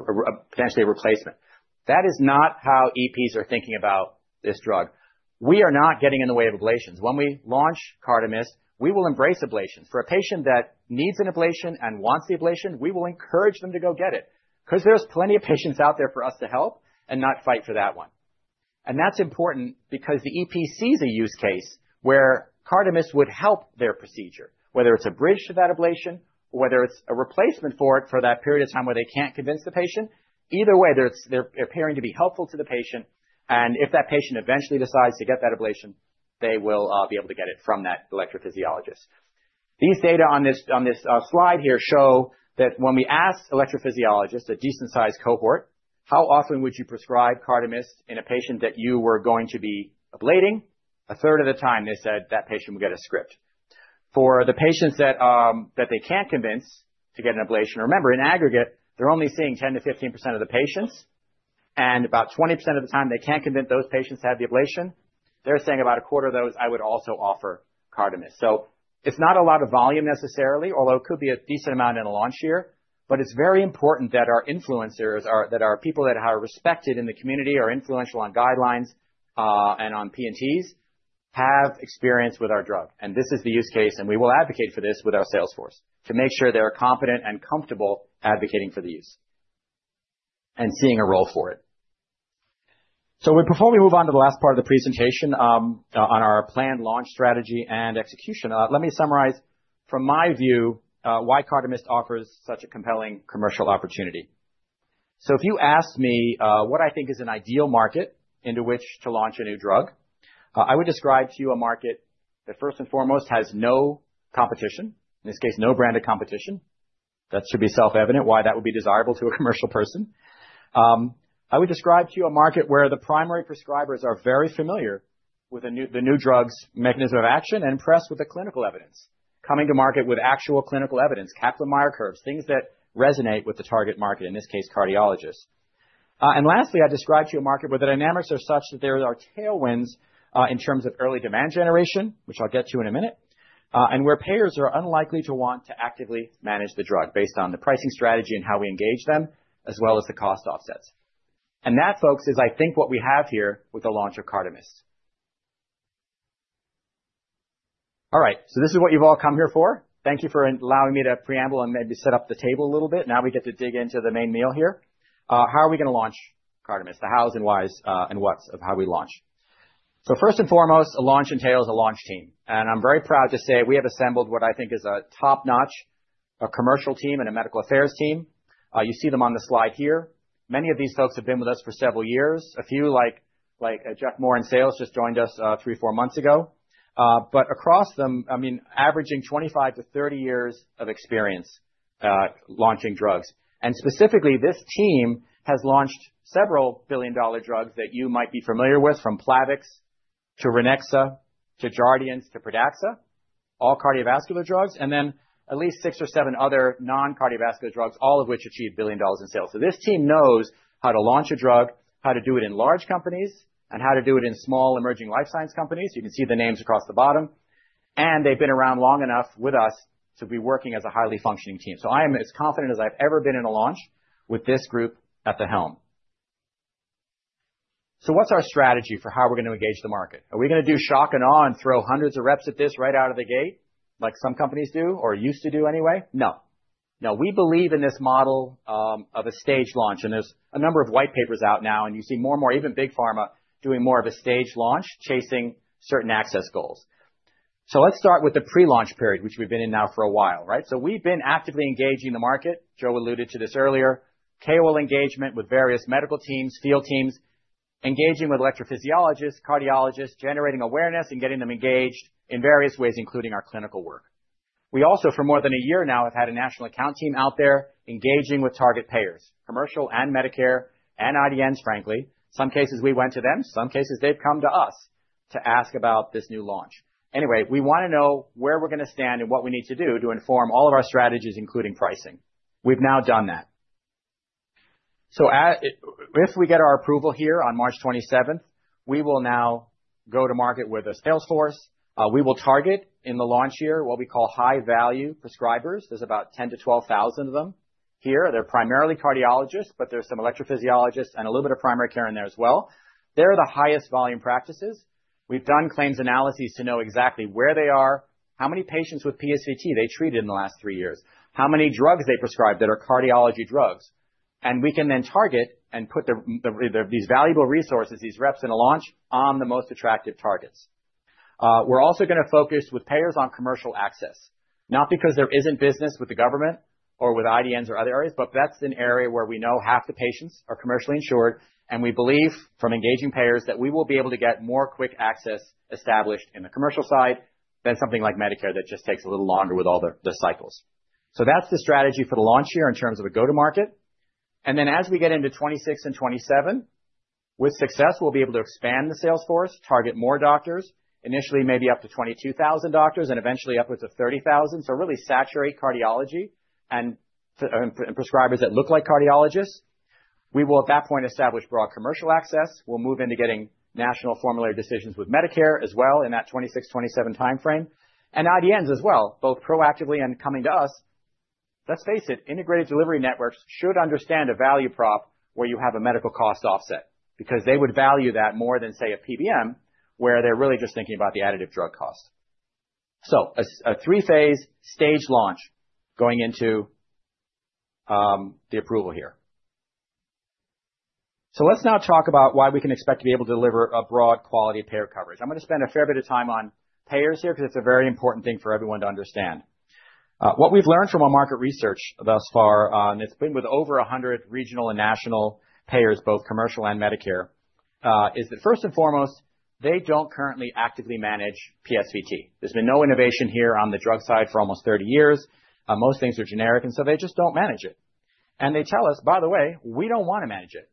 potentially a replacement. That is not how EPs are thinking about this drug. We are not getting in the way of ablations. When we launch CARDAMYST, we will embrace ablations. For a patient that needs an ablation and wants the ablation, we will encourage them to go get it, because there's plenty of patients out there for us to help and not fight for that one. That's important because the EP sees a use case where CARDAMYST would help their procedure, whether it's a bridge to that ablation, or whether it's a replacement for it for that period of time where they can't convince the patient. Either way, they're appearing to be helpful to the patient, and if that patient eventually decides to get that ablation, they will be able to get it from that electrophysiologist. These data on this slide here show that when we ask electrophysiologists, a decent sized cohort, how often would you prescribe CARDAMYST in a patient that you were going to be ablating? A third of the time, they said that patient would get a script. For the patients that they can't convince to get an ablation, remember, in aggregate, they're only seeing 10%-15% of the patients, and about 20% of the time, they can't convince those patients to have the ablation. They're saying about a quarter of those, I would also offer CARDAMYST. It's not a lot of volume necessarily, although it could be a decent amount in a launch year. It's very important that our influencers, that our people that are respected in the community, are influential on guidelines, and on P&Ts, have experience with our drug. This is the use case, and we will advocate for this with our sales force to make sure they are competent and comfortable advocating for the use and seeing a role for it. Before we move on to the last part of the presentation on our planned launch strategy and execution, let me summarize from my view why CARDAMYST offers such a compelling commercial opportunity. If you ask me what I think is an ideal market into which to launch a new drug, I would describe to you a market that first and foremost has no competition, in this case, no branded competition. That should be self-evident why that would be desirable to a commercial person. I would describe to you a market where the primary prescribers are very familiar with the new drug's mechanism of action and impressed with the clinical evidence. Coming to market with actual clinical evidence, Kaplan-Meier curves, things that resonate with the target market, in this case, cardiologists. Lastly, I described to you a market where the dynamics are such that there are tailwinds in terms of early demand generation, which I'll get to in a minute, and where payers are unlikely to want to actively manage the drug based on the pricing strategy and how we engage them, as well as the cost offsets. That, folks, is, I think, what we have here with the launch of CARDAMYST. All right, this is what you've all come here for. Thank you for allowing me to preamble and maybe set up the table a little bit. Now we get to dig into the main meal here. How are we going to launch CARDAMYST? The hows and whys and whats of how we launch. First and foremost, a launch entails a launch team. I'm very proud to say we have assembled what I think is a top-notch commercial team and a medical affairs team. You see them on the slide here. Many of these folks have been with us for several years. A few, like Jeff Moore in sales, just joined us three or four months ago. Across them, averaging 25-30 years of experience launching drugs. Specifically, this team has launched several billion-dollar drugs that you might be familiar with, from Plavix to Ranexa to Jardiance to Pradaxa. All cardiovascular drugs, and then at least six or seven other non-cardiovascular drugs, all of which achieve billion dollars in sales. This team knows how to launch a drug, how to do it in large companies, and how to do it in small emerging life science companies. You can see the names across the bottom. They've been around long enough with us to be working as a highly functioning team. I am as confident as I've ever been in a launch with this group at the helm. What's our strategy for how we're going to engage the market? Are we going to do shock and awe and throw hundreds of reps at this right out of the gate like some companies do or used to do anyway? No. We believe in this model of a staged launch, and there's a number of white papers out now, and you see more and more even Big Pharma doing more of a staged launch, chasing certain access goals. Let's start with the pre-launch period, which we've been in now for a while, right? We've been actively engaging the market. Joe alluded to this earlier. KOL engagement with various medical teams, field teams, engaging with electrophysiologists, cardiologists, generating awareness, and getting them engaged in various ways, including our clinical work. We also, for more than a year now, have had a national account team out there engaging with target payers, commercial and Medicare, and IDNs, frankly. Some cases we went to them, some cases they've come to us to ask about this new launch. Anyway, we want to know where we're going to stand and what we need to do to inform all of our strategies, including pricing. We've now done that. If we get our approval here on March 27th, we will now go to market with a sales force. We will target in the launch year, what we call high-value prescribers. There's about 10,000-12,000 of them here. They're primarily cardiologists, but there's some electrophysiologists and a little bit of primary care in there as well. They're the highest volume practices. We've done claims analyses to know exactly where they are, how many patients with PSVT they treated in the last three years, how many drugs they prescribed that are cardiology drugs. We can then target and put these valuable resources, these reps in a launch on the most attractive targets. We're also going to focus with payers on commercial access, not because there isn't business with the government or with IDNs or other areas, but that's an area where we know half the patients are commercially insured, and we believe from engaging payers that we will be able to get more quick access established in the commercial side than something like Medicare that just takes a little longer with all the cycles. That's the strategy for the launch year in terms of a go-to-market. Then as we get into 2026 and 2027, with success, we'll be able to expand the sales force, target more doctors, initially, maybe up to 22,000 doctors, and eventually upwards of 30,000. Really saturate cardiology and prescribers that look like cardiologists. We will, at that point, establish broad commercial access. We'll move into getting national formulary decisions with Medicare as well in that 2026, 2027 timeframe, and IDNs as well, both proactively and coming to us. Let's face it, integrated delivery networks should understand a value prop where you have a medical cost offset because they would value that more than, say, a PBM, where they're really just thinking about the additive drug cost. A three-phase stage launch going into the approval here. Let's now talk about why we can expect to be able to deliver a broad quality of payer coverage. I'm going to spend a fair bit of time on payers here because it's a very important thing for everyone to understand. What we've learned from our market research thus far, and it's been with over 100 regional and national payers, both commercial and Medicare, is that first and foremost, they don't currently actively manage PSVT. There's been no innovation here on the drug side for almost 30 years. Most things are generic, and so they just don't manage it. They tell us, "By the way, we don't want to manage it,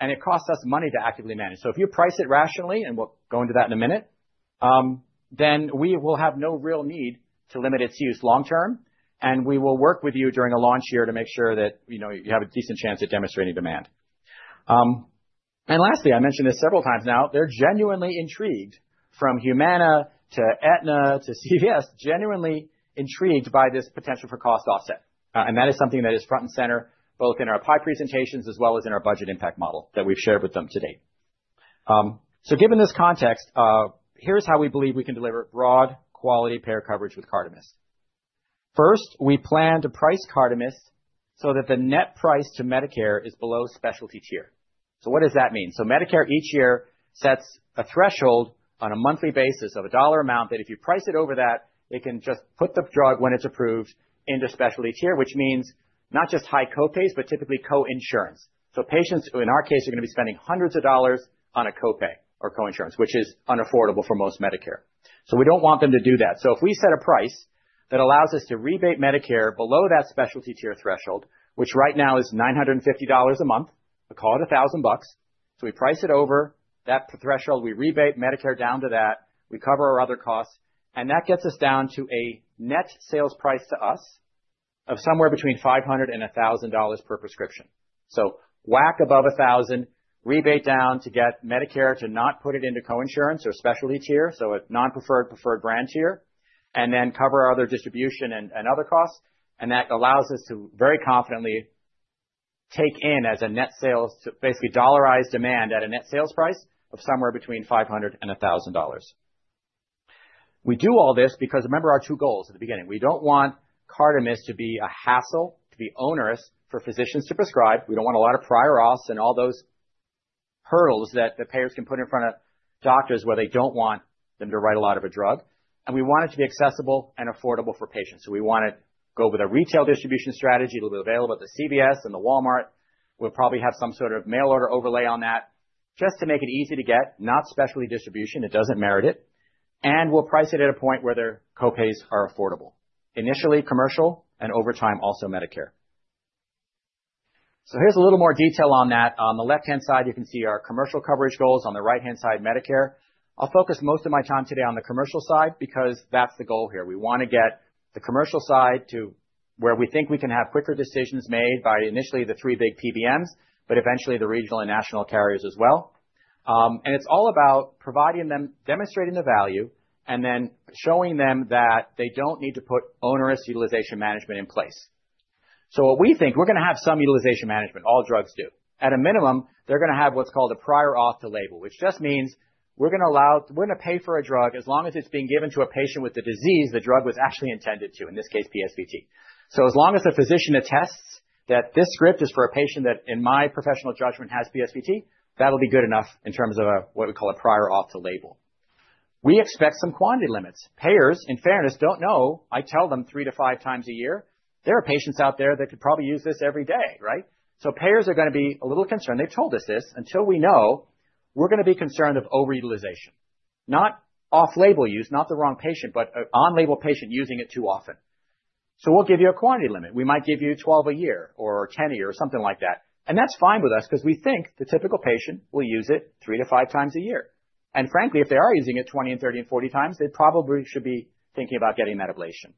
and it costs us money to actively manage it. So if you price it rationally," and we'll go into that in a minute, "then we will have no real need to limit its use long term. We will work with you during a launch year to make sure that you have a decent chance at demonstrating demand." Lastly, I mentioned this several times now. They're genuinely intrigued from Humana to Aetna to CVS, genuinely intrigued by this potential for cost offset. That is something that is front and center both in our payer presentations as well as in our budget impact model that we've shared with them to date. Given this context, here's how we believe we can deliver broad quality payer coverage with CARDAMYST. First, we plan to price CARDAMYST so that the net price to Medicare is below specialty tier. What does that mean? Medicare each year sets a threshold on a monthly basis of a dollar amount that if you price it over that, it can just put the drug when it's approved into specialty tier, which means not just high co-pays, but typically co-insurance. Patients who, in our case, are going to be spending hundreds of dollars on a co-pay or co-insurance, which is unaffordable for most Medicare. We don't want them to do that. If we set a price that allows us to rebate Medicare below that specialty tier threshold, which right now is $950 a month, we'll call it $1,000. We price it over that threshold. We rebate Medicare down to that. We cover our other costs, and that gets us down to a net sales price to us of somewhere between $500 and $1,000 per prescription. WAC above $1,000, rebate down to get Medicare to not put it into co-insurance or specialty tier, so a non-preferred, preferred brand tier, and then cover our other distribution and other costs. That allows us to very confidently take in as a net sales, basically dollarize demand at a net sales price of somewhere between $500 and $1,000. We do all this because remember our two goals at the beginning. We don't want CARDAMYST to be a hassle, to be onerous for physicians to prescribe. We don't want a lot of prior auths and all those hurdles that the payers can put in front of doctors where they don't want them to write a lot of a drug. We want it to be accessible and affordable for patients. We want to go with a retail distribution strategy. It'll be available at the CVS and the Walmart. We'll probably have some sort of mail order overlay on that just to make it easy to get, not specialty distribution. It doesn't merit it. We'll price it at a point where their co-pays are affordable, initially commercial, and over time, also Medicare. Here's a little more detail on that. On the left-hand side, you can see our commercial coverage goals, on the right-hand side, Medicare. I'll focus most of my time today on the commercial side because that's the goal here. We want to get the commercial side to where we think we can have quicker decisions made by initially the three big PBMs, but eventually the regional and national carriers as well. It's all about providing them, demonstrating the value, and then showing them that they don't need to put onerous utilization management in place. What we think, we're going to have some utilization management, all drugs do. At a minimum, they're going to have what's called a prior auth to label, which just means we're going to pay for a drug as long as it's being given to a patient with the disease the drug was actually intended to, in this case, PSVT. As long as the physician attests that this script is for a patient that, in my professional judgment, has PSVT, that'll be good enough in terms of what we call a prior auth to label. We expect some quantity limits. Payers, in fairness, don't know. I tell them three to five times a year, there are patients out there that could probably use this every day. Payers are going to be a little concerned. They've told us this. Until we know, we're going to be concerned of over-utilization. Not off-label use, not the wrong patient, but an on-label patient using it too often. We'll give you a quantity limit. We might give you 12 a year or 10 a year or something like that. That's fine with us because we think the typical patient will use it three to five times a year. Frankly, if they are using it 20, 30, and 40 times, they probably should be thinking about getting ablation.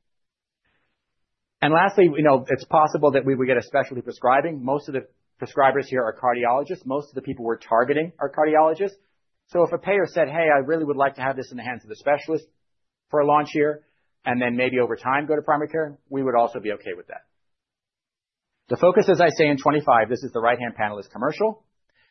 Lastly, it's possible that we would get a specialty prescribing. Most of the prescribers here are cardiologists. Most of the people we're targeting are cardiologists. If a payer said, "Hey, I really would like to have this in the hands of the specialist for a launch year, and then maybe over time go to primary care," we would also be okay with that. The focus, as I say, in 2025, this is the right-hand panel, is commercial.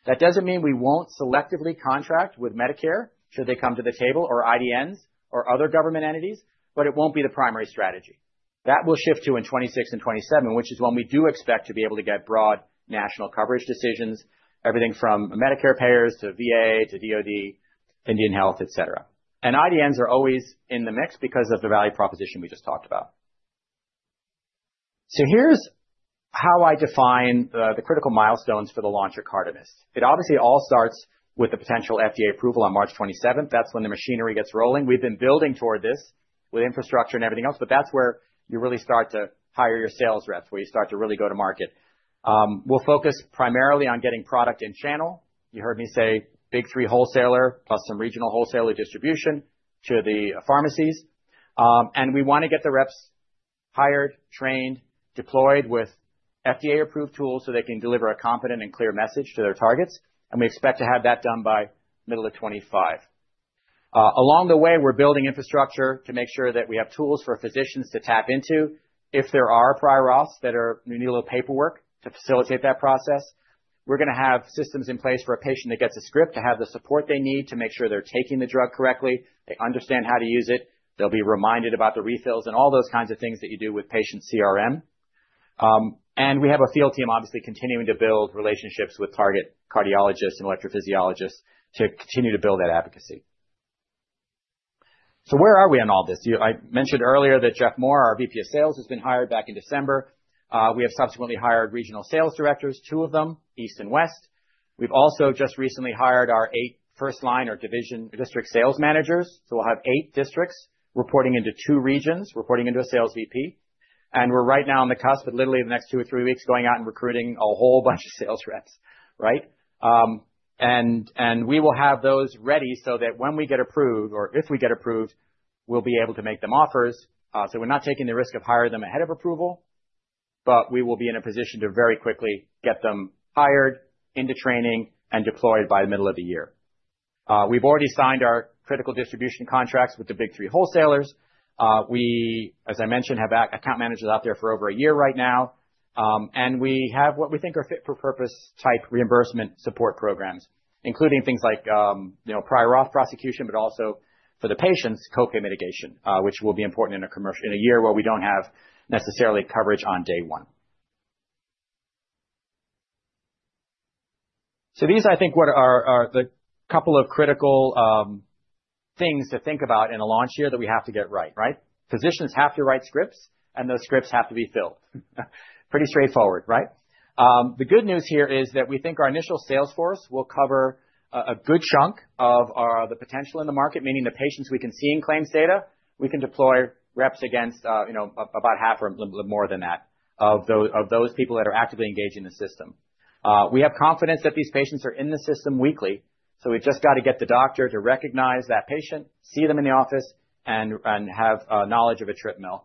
That doesn't mean we won't selectively contract with Medicare should they come to the table, or IDNs or other government entities, but it won't be the primary strategy. That will shift to in 2026 and 2027, which is when we do expect to be able to get broad national coverage decisions, everything from Medicare payers to VA to DoD, Indian Health, et cetera. IDNs are always in the mix because of the value proposition we just talked about. Here's how I define the critical milestones for the launch of CARDAMYST. It obviously all starts with the potential FDA approval on March 27th. That's when the machinery gets rolling. We've been building toward this with infrastructure and everything else, but that's where you really start to hire your sales reps, where you start to really go to market. We'll focus primarily on getting product in channel. You heard me say big three wholesaler, plus some regional wholesaler distribution to the pharmacies. We want to get the reps hired, trained, deployed with FDA-approved tools so they can deliver a competent and clear message to their targets, and we expect to have that done by middle of 2025. Along the way, we're building infrastructure to make sure that we have tools for physicians to tap into if there are prior auths that are menial paperwork to facilitate that process. We're going to have systems in place for a patient that gets a script to have the support they need to make sure they're taking the drug correctly, they understand how to use it, they'll be reminded about the refills and all those kinds of things that you do with patient CRM. We have a field team, obviously, continuing to build relationships with target cardiologists and electrophysiologists to continue to build that advocacy. Where are we on all this? I mentioned earlier that Jeff Moore, our VP of Sales, has been hired back in December. We have subsequently hired regional sales directors, two of them, East and West. We've also just recently hired our eight first line or division district sales managers. We'll have eight districts reporting into two regions, reporting into a sales VP. We're right now on the cusp of literally in the next two or three weeks, going out and recruiting a whole bunch of sales reps. We will have those ready so that when we get approved or if we get approved, we'll be able to make them offers. We're not taking the risk of hiring them ahead of approval, but we will be in a position to very quickly get them hired, into training, and deployed by the middle of the year. We've already signed our critical distribution contracts with the big three wholesalers. We, as I mentioned, have account managers out there for over a year right now. We have what we think are fit for purpose type reimbursement support programs, including things like prior auth prosecution, but also for the patients, co-pay mitigation, which will be important in a year where we don't have necessarily coverage on day one. These, I think, are the couple of critical things to think about in a launch year that we have to get right. Physicians have to write scripts and those scripts have to be filled. Pretty straightforward, right? The good news here is that we think our initial sales force will cover a good chunk of the potential in the market, meaning the patients we can see in claims data, we can deploy reps against about half or a little bit more than that of those people that are actively engaged in the system. We have confidence that these patients are in the system weekly, so we've just got to get the doctor to recognize that patient, see them in the office, and have knowledge of etripamil.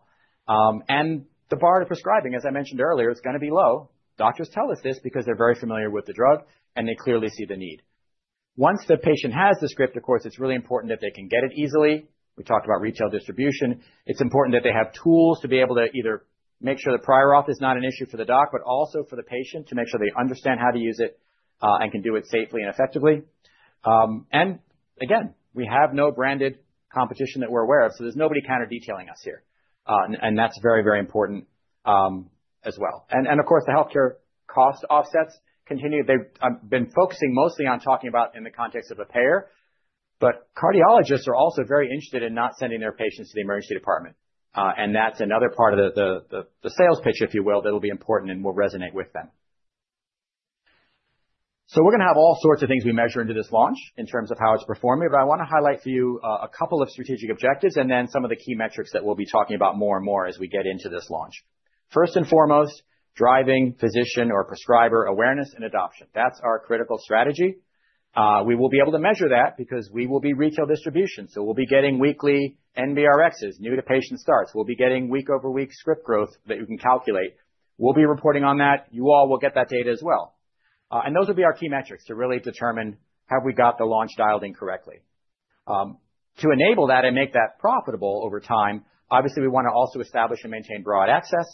The bar to prescribing, as I mentioned earlier, is going to be low. Doctors tell us this because they're very familiar with the drug and they clearly see the need. Once the patient has the script, of course, it's really important that they can get it easily. We talked about retail distribution. It's important that they have tools to be able to either make sure the prior auth is not an issue for the doc, but also for the patient to make sure they understand how to use it and can do it safely and effectively. Again, we have no branded competition that we're aware of, so there's nobody counter-detailing us here. That's very, very important as well. Of course, the healthcare cost offsets continue. I've been focusing mostly on talking about in the context of a payer, but cardiologists are also very interested in not sending their patients to the emergency department. That's another part of the sales pitch, if you will, that'll be important and will resonate with them. We're going to have all sorts of things we measure into this launch in terms of how it's performing. I want to highlight for you a couple of strategic objectives and then some of the key metrics that we'll be talking about more and more as we get into this launch. First and foremost, driving physician or prescriber awareness and adoption. That's our critical strategy. We will be able to measure that because we will be retail distribution. We'll be getting weekly NBRXs, new to patient starts. We'll be getting week-over-week script growth that you can calculate. We'll be reporting on that. You all will get that data as well. Those will be our key metrics to really determine have we got the launch dialed in correctly. To enable that and make that profitable over time, obviously, we want to also establish and maintain broad access.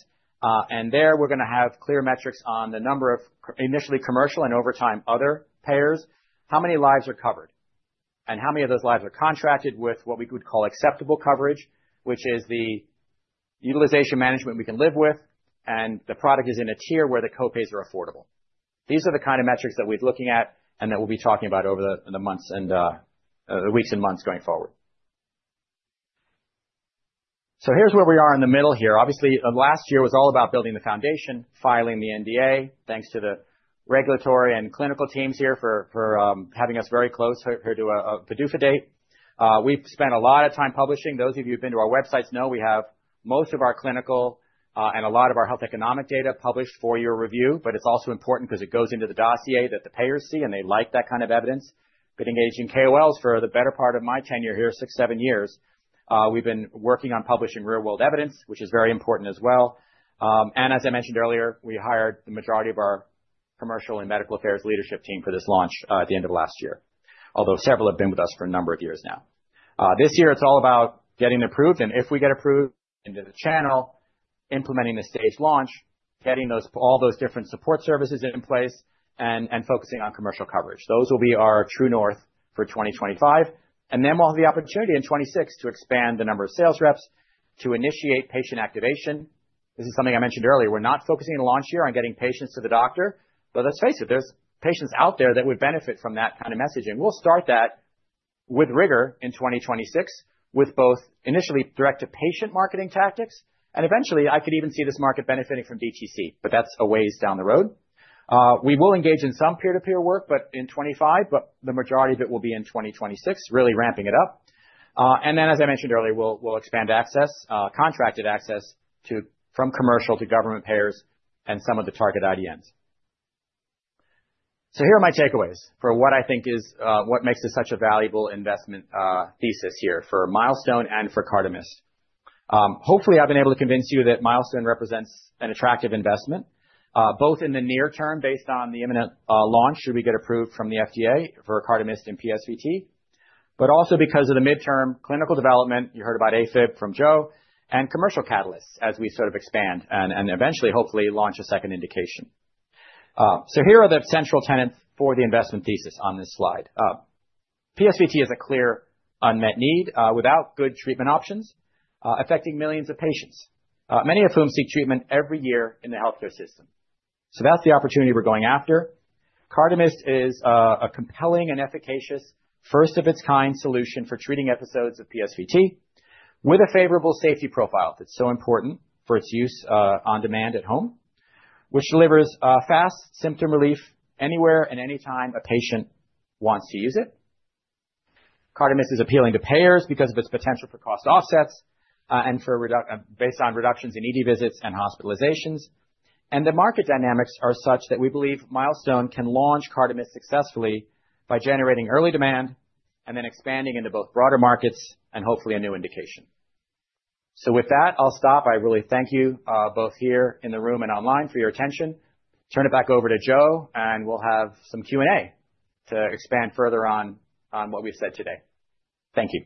There, we're going to have clear metrics on the number of initially commercial and over time, other payers, how many lives are covered, and how many of those lives are contracted with what we would call acceptable coverage, which is the utilization management we can live with, and the product is in a tier where the co-pays are affordable. These are the kind of metrics that we're looking at and that we'll be talking about over the weeks and months going forward. Here's where we are in the middle here. Obviously, last year was all about building the foundation, filing the NDA. Thanks to the regulatory and clinical teams here for having us very close here to a PDUFA date. We've spent a lot of time publishing. Those of you who've been to our websites know we have most of our clinical and a lot of our health economic data published for your review. It's also important because it goes into the dossier that the payers see, and they like that kind of evidence. I've been engaged in KOLs for the better part of my tenure here, six, seven years. We've been working on publishing real-world evidence, which is very important as well. As I mentioned earlier, we hired the majority of our commercial and medical affairs leadership team for this launch at the end of last year, although several have been with us for a number of years now. This year it's all about getting approved, and if we get approved into the channel, implementing the stage launch, getting all those different support services in place and focusing on commercial coverage. Those will be our true north for 2025. Then we'll have the opportunity in 2026 to expand the number of sales reps to initiate patient activation. This is something I mentioned earlier. We're not focusing in launch year on getting patients to the doctor, but let's face it, there's patients out there that would benefit from that kind of messaging. We'll start that with rigor in 2026 with both initially direct to patient marketing tactics, and eventually I could even see this market benefiting from DTC, but that's a ways down the road. We will engage in some peer-to-peer work, but in 2025, the majority of it will be in 2026, really ramping it up. As I mentioned earlier, we'll expand access, contracted access from commercial to government payers and some of the target IDNs. Here are my takeaways for what I think is what makes this such a valuable investment thesis here for Milestone and for CARDAMYST. Hopefully, I've been able to convince you that Milestone represents an attractive investment, both in the near term based on the imminent launch, should we get approved from the FDA for CARDAMYST and PSVT. Also because of the midterm clinical development, you heard about AFib from Joe, and commercial catalysts as we sort of expand and eventually hopefully launch a second indication. Here are the central tenets for the investment thesis on this slide. PSVT is a clear unmet need without good treatment options, affecting millions of patients, many of whom seek treatment every year in the healthcare system. That's the opportunity we're going after. CARDAMYST is a compelling and efficacious first of its kind solution for treating episodes of PSVT with a favorable safety profile that's so important for its use on demand at home, which delivers fast symptom relief anywhere and anytime a patient wants to use it. CARDAMYST is appealing to payers because of its potential for cost offsets and based on reductions in ED visits and hospitalizations. The market dynamics are such that we believe Milestone can launch CARDAMYST successfully by generating early demand and then expanding into both broader markets and hopefully a new indication. With that, I'll stop. I really thank you, both here in the room and online, for your attention. Turn it back over to Joe, and we'll have some Q&A to expand further on what we've said today. Thank you.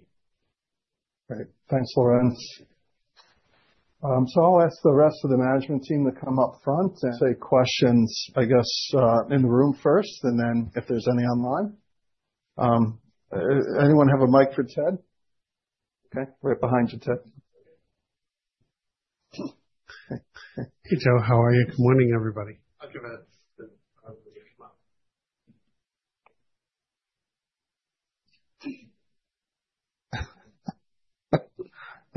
Great. Thanks, Lorenz. I'll ask the rest of the management team to come up front and take questions, I guess, in the room first, and then if there's any online. Anyone have a mic for Ted? Okay, right behind you, Ted. Hey, Joe. How are you? Good morning, everybody. I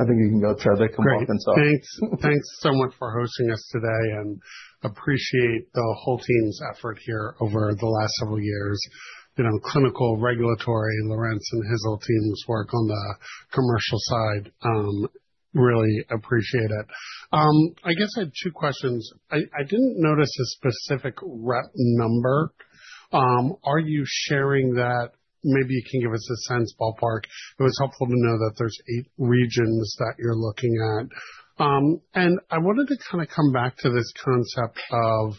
think you can go, Ted. They can help themselves. Great. Thanks so much for hosting us today, and appreciate the whole team's effort here over the last several years. Clinical, regulatory, Lorenz and his whole team's work on the commercial side. Really appreciate it. I guess I had two questions. I didn't notice a specific rep number. Are you sharing that? Maybe you can give us a sense, ballpark. It was helpful to know that there's eight regions that you're looking at. I wanted to come back to this concept of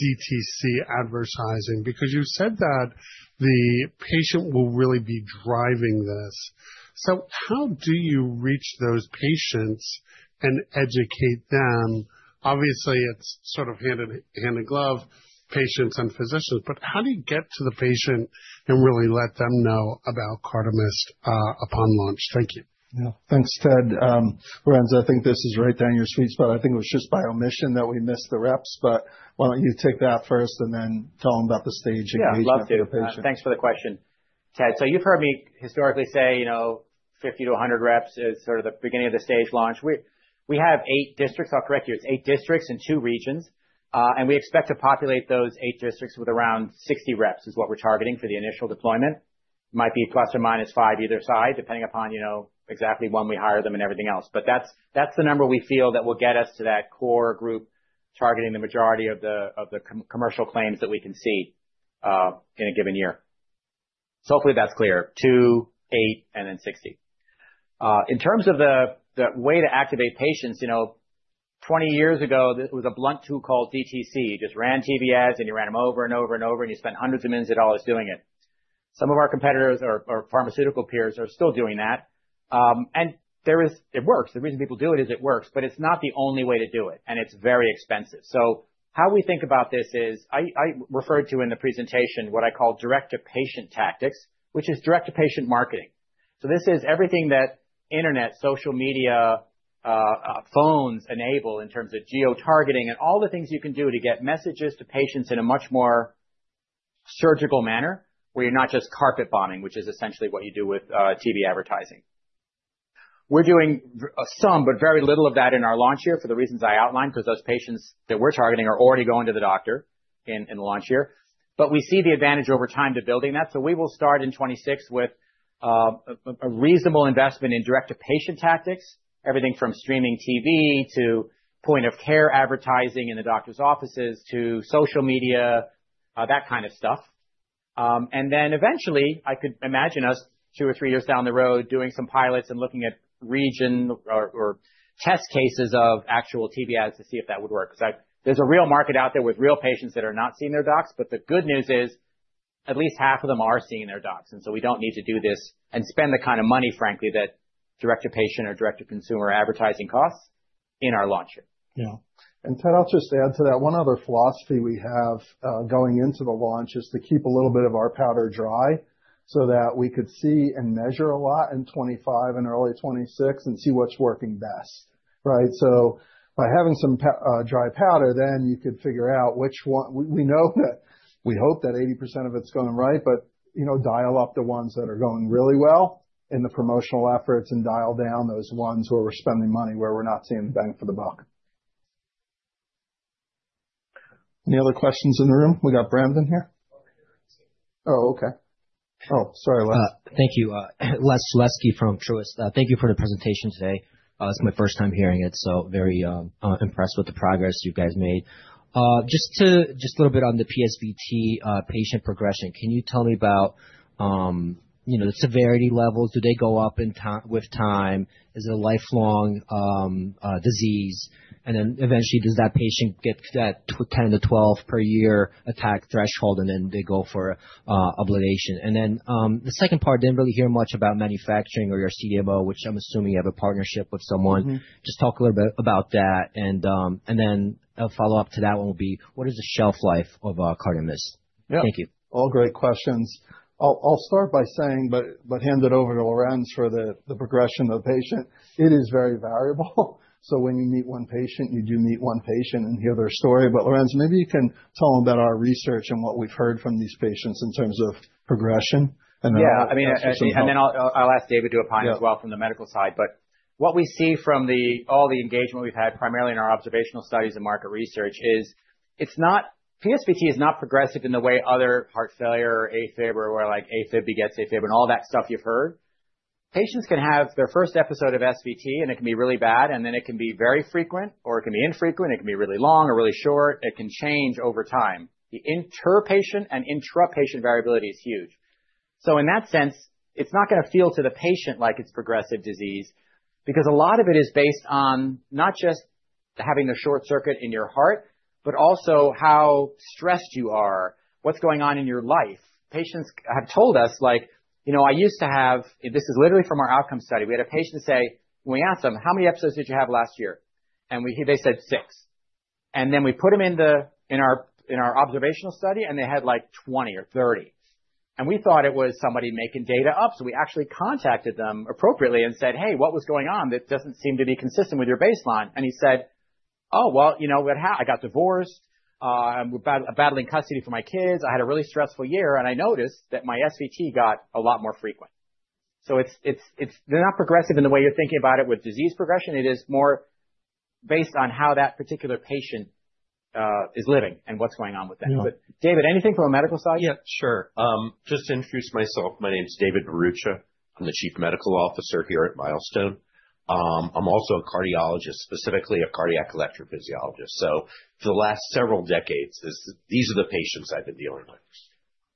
DTC advertising, because you said that the patient will really be driving this. So how do you reach those patients and educate them? Obviously, it's sort of hand in glove patients and physicians, but how do you get to the patient and really let them know about CARDAMYST upon launch? Thank you. Yeah. Thanks, Ted. Lorenz, I think this is right down your sweet spot. I think it was just by omission that we missed the reps. Why don't you take that first and then tell him about the stage engagement with the patient? Yeah, love to. Thanks for the question. Ted, so you've heard me historically say 50-100 reps is sort of the beginning of the stage launch. We have eight districts. I'll correct you, it's eight districts in two regions, and we expect to populate those eight districts with around 60 reps, is what we're targeting for the initial deployment. Might be ±5 either side, depending upon exactly when we hire them and everything else. That's the number we feel that will get us to that core group, targeting the majority of the commercial claims that we can see in a given year. Hopefully that's clear, two, eight, and then 60. In terms of the way to activate patients, 20 years ago, it was a blunt tool called DTC. You just ran TV ads, and you ran them over and over and over, and you spent hundreds of millions of dollars doing it. Some of our competitors or pharmaceutical peers are still doing that. It works. The reason people do it is it works, but it's not the only way to do it, and it's very expensive. How we think about this is, I referred to in the presentation what I call direct-to-patient tactics, which is direct-to-patient marketing. This is everything that internet, social media, phones enable in terms of geotargeting and all the things you can do to get messages to patients in a much more surgical manner, where you're not just carpet bombing, which is essentially what you do with TV advertising. We're doing some, but very little of that in our launch year for the reasons I outlined, because those patients that we're targeting are already going to the doctor in the launch year. We see the advantage over time to building that. We will start in 2026 with a reasonable investment in direct-to-patient tactics, everything from streaming TV to point-of-care advertising in the doctor's offices to social media, that kind of stuff. Then eventually, I could imagine us two or three years down the road doing some pilots and looking at region or test cases of actual TV ads to see if that would work because there's a real market out there with real patients that are not seeing their docs. The good news is at least half of them are seeing their docs, and so we don't need to do this and spend the kind of money, frankly, that direct-to-patient or direct-to-consumer advertising costs in our launch year. Yeah. Ted, I'll just add to that. One other philosophy we have going into the launch is to keep a little bit of our powder dry so that we could see and measure a lot in 2025 and early 2026 and see what's working best. Right? By having some dry powder, then you could figure out which one. We know that we hope that 80% of it's going right, but dial up the ones that are going really well in the promotional efforts and dial down those ones where we're spending money where we're not seeing the bang for the buck. Any other questions in the room? We got Brendan here. Oh, okay. Oh, sorry, Les. Thank you. Les Sulewski from Truist. Thank you for the presentation today. It's my first time hearing it, so very impressed with the progress you guys made. Just a little bit on the PSVT patient progression, can you tell me about the severity levels? Do they go up with time? Is it a lifelong disease? Eventually, does that patient get to that 10-12 per year attack threshold, and then they go for ablation? The second part, didn't really hear much about manufacturing or your CMO, which I'm assuming you have a partnership with someone. Just talk a little bit about that, and then a follow-up to that one will be, what is the shelf life of CARDAMYST? Thank you. All great questions. I'll start by saying, hand it over to Lorenz for the progression of the patient. It is very variable. When you meet one patient, you do meet one patient and hear their story. Lorenz, maybe you can tell him about our research and what we've heard from these patients in terms of progression, and then I'll jump in. I'll ask David to opine as well from the medical side. What we see from all the engagement we've had, primarily in our observational studies and market research, PSVT is not progressive in the way other heart failure or AFib, where AFib begets AFib and all that stuff you've heard. Patients can have their first episode of SVT, and it can be really bad, and then it can be very frequent, or it can be infrequent, it can be really long or really short. It can change over time. The inter-patient and intra-patient variability is huge. In that sense, it's not going to feel to the patient like it's progressive disease because a lot of it is based on not just having a short circuit in your heart, but also how stressed you are, what's going on in your life. Patients have told us, "I used to have..." This is literally from our outcome study. We had a patient say, when we asked them, "How many episodes did you have last year?" They said, "six." Then we put them in our observational study, and they had 20 or 30. We thought it was somebody making data up. We actually contacted them appropriately and said, "Hey, what was going on? That doesn't seem to be consistent with your baseline." He said, "Oh, well, I got divorced. I'm battling custody for my kids. I had a really stressful year, and I noticed that my SVT got a lot more frequent." They're not progressive in the way you're thinking about it with disease progression. It is more based on how that particular patient is living and what's going on with them. David, anything from a medical side? Yeah, sure. Just to introduce myself, my name is David Bharucha. I'm the Chief Medical Officer here at Milestone. I'm also a cardiologist, specifically a cardiac electrophysiologist. For the last several decades, these are the patients I've been dealing with.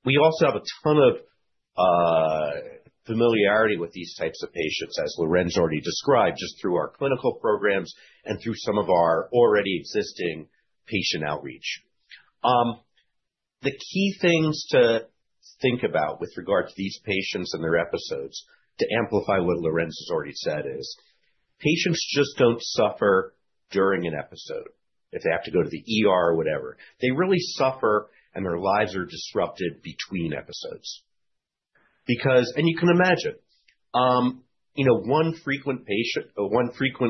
We also have a ton of familiarity with these types of patients, as Lorenz already described, just through our clinical programs and through some of our already existing patient outreach. The key things to think about with regard to these patients and their episodes, to amplify what Lorenz has already said, is patients just don't suffer during an episode if they have to go to the ER or whatever. They really suffer and their lives are disrupted between episodes. And you can imagine, one frequent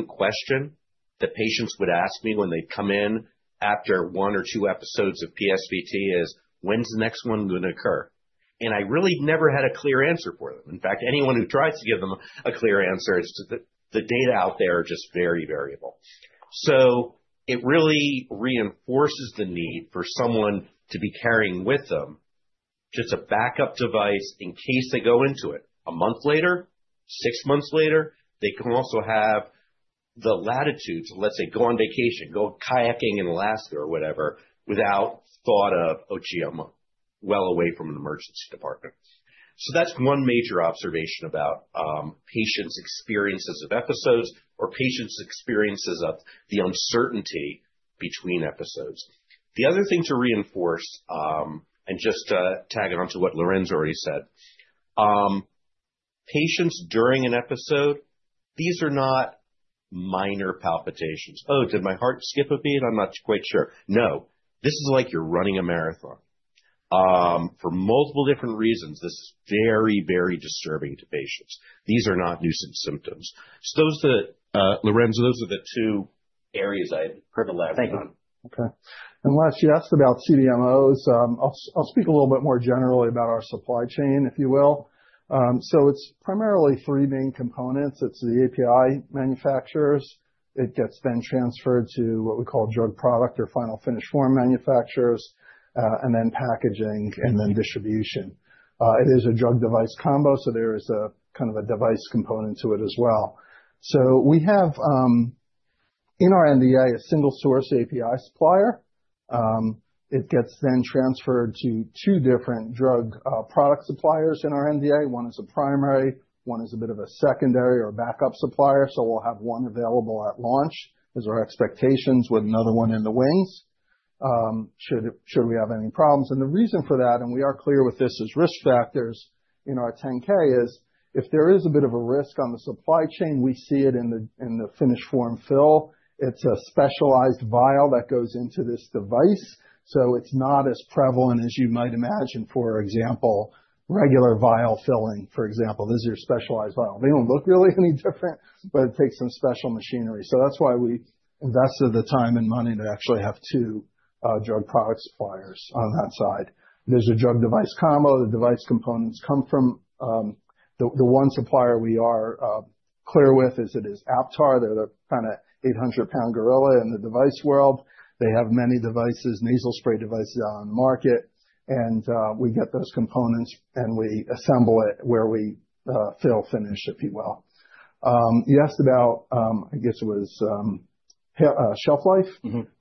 question that patients would ask me when they come in after one or two episodes of PSVT is, "When's the next one going to occur?" I really never had a clear answer for them. In fact, anyone who tries to give them a clear answer, the data out there are just very variable. It really reinforces the need for someone to be carrying with them just a backup device in case they go into it a month later, six months later. They can also have the latitude to, let's say, go on vacation, go kayaking in Alaska or whatever, without thought of, "Oh, gee, I'm well away from an emergency department." That's one major observation about patients' experiences of episodes or patients' experiences of the uncertainty between episodes. The other thing to reinforce, and just to tag it on to what Lorenz already said, patients during an episode, these are not minor palpitations. "Oh, did my heart skip a beat? I'm not quite sure." No, this is like you're running a marathon. For multiple different reasons, this is very disturbing to patients. These are not nuisance symptoms. Lorenz, those are the two areas I'd privilege on. Thank you. Okay. Last, you asked about CDMOs. I'll speak a little bit more generally about our supply chain, if you will. It's primarily three main components. It's the API manufacturers. It gets then transferred to what we call drug product or final finished form manufacturers, and then packaging and then distribution. It is a drug-device combo, there is a device component to it as well. We have, in our NDA, a single source API supplier. It gets then transferred to two different drug product suppliers in our NDA. One is a primary, one is a bit of a secondary or backup supplier, we'll have one available at launch, is our expectations, with another one in the wings should we have any problems. The reason for that, and we are clear with this as risk factors in our 10-K, is if there is a bit of a risk on the supply chain, we see it in the finished form fill. It's a specialized vial that goes into this device, so it's not as prevalent as you might imagine. For example, regular vial filling. This is your specialized vial. They don't look really any different, but it takes some special machinery. That's why we invested the time and money to actually have two drug product suppliers on that side. There's a drug device combo. The device components come from the one supplier we are clear with is Aptar. They're the 800-pound gorilla in the device world. They have many devices, nasal spray devices out on the market, and we get those components, and we assemble it where we fill finish, if you will. You asked about, I guess it was shelf life.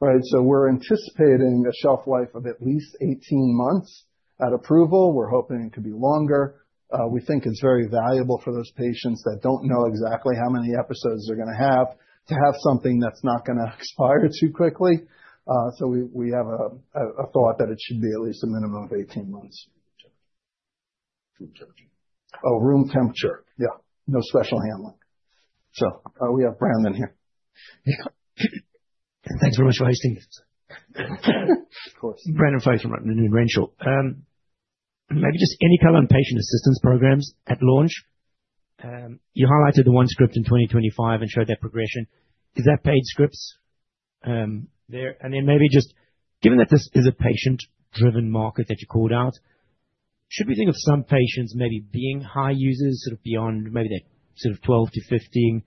Right. We're anticipating a shelf life of at least 18 months at approval. We're hoping it could be longer. We think it's very valuable for those patients that don't know exactly how many episodes they're going to have, to have something that's not going to expire too quickly. We have a thought that it should be at least a minimum of 18 months. Room temperature. Oh, room temperature. Yeah. No special handling. We have Brendan here. Yeah. Thanks very much for hosting us. Of course. Brendan Foe from Rodman & Renshaw. Maybe just any color on patient assistance programs at launch. You highlighted the one script in 2025 and showed that progression. Is that paid scripts there? Maybe just, given that this is a patient-driven market that you called out, should we think of some patients maybe being high users, sort of beyond maybe that sort of 12-15?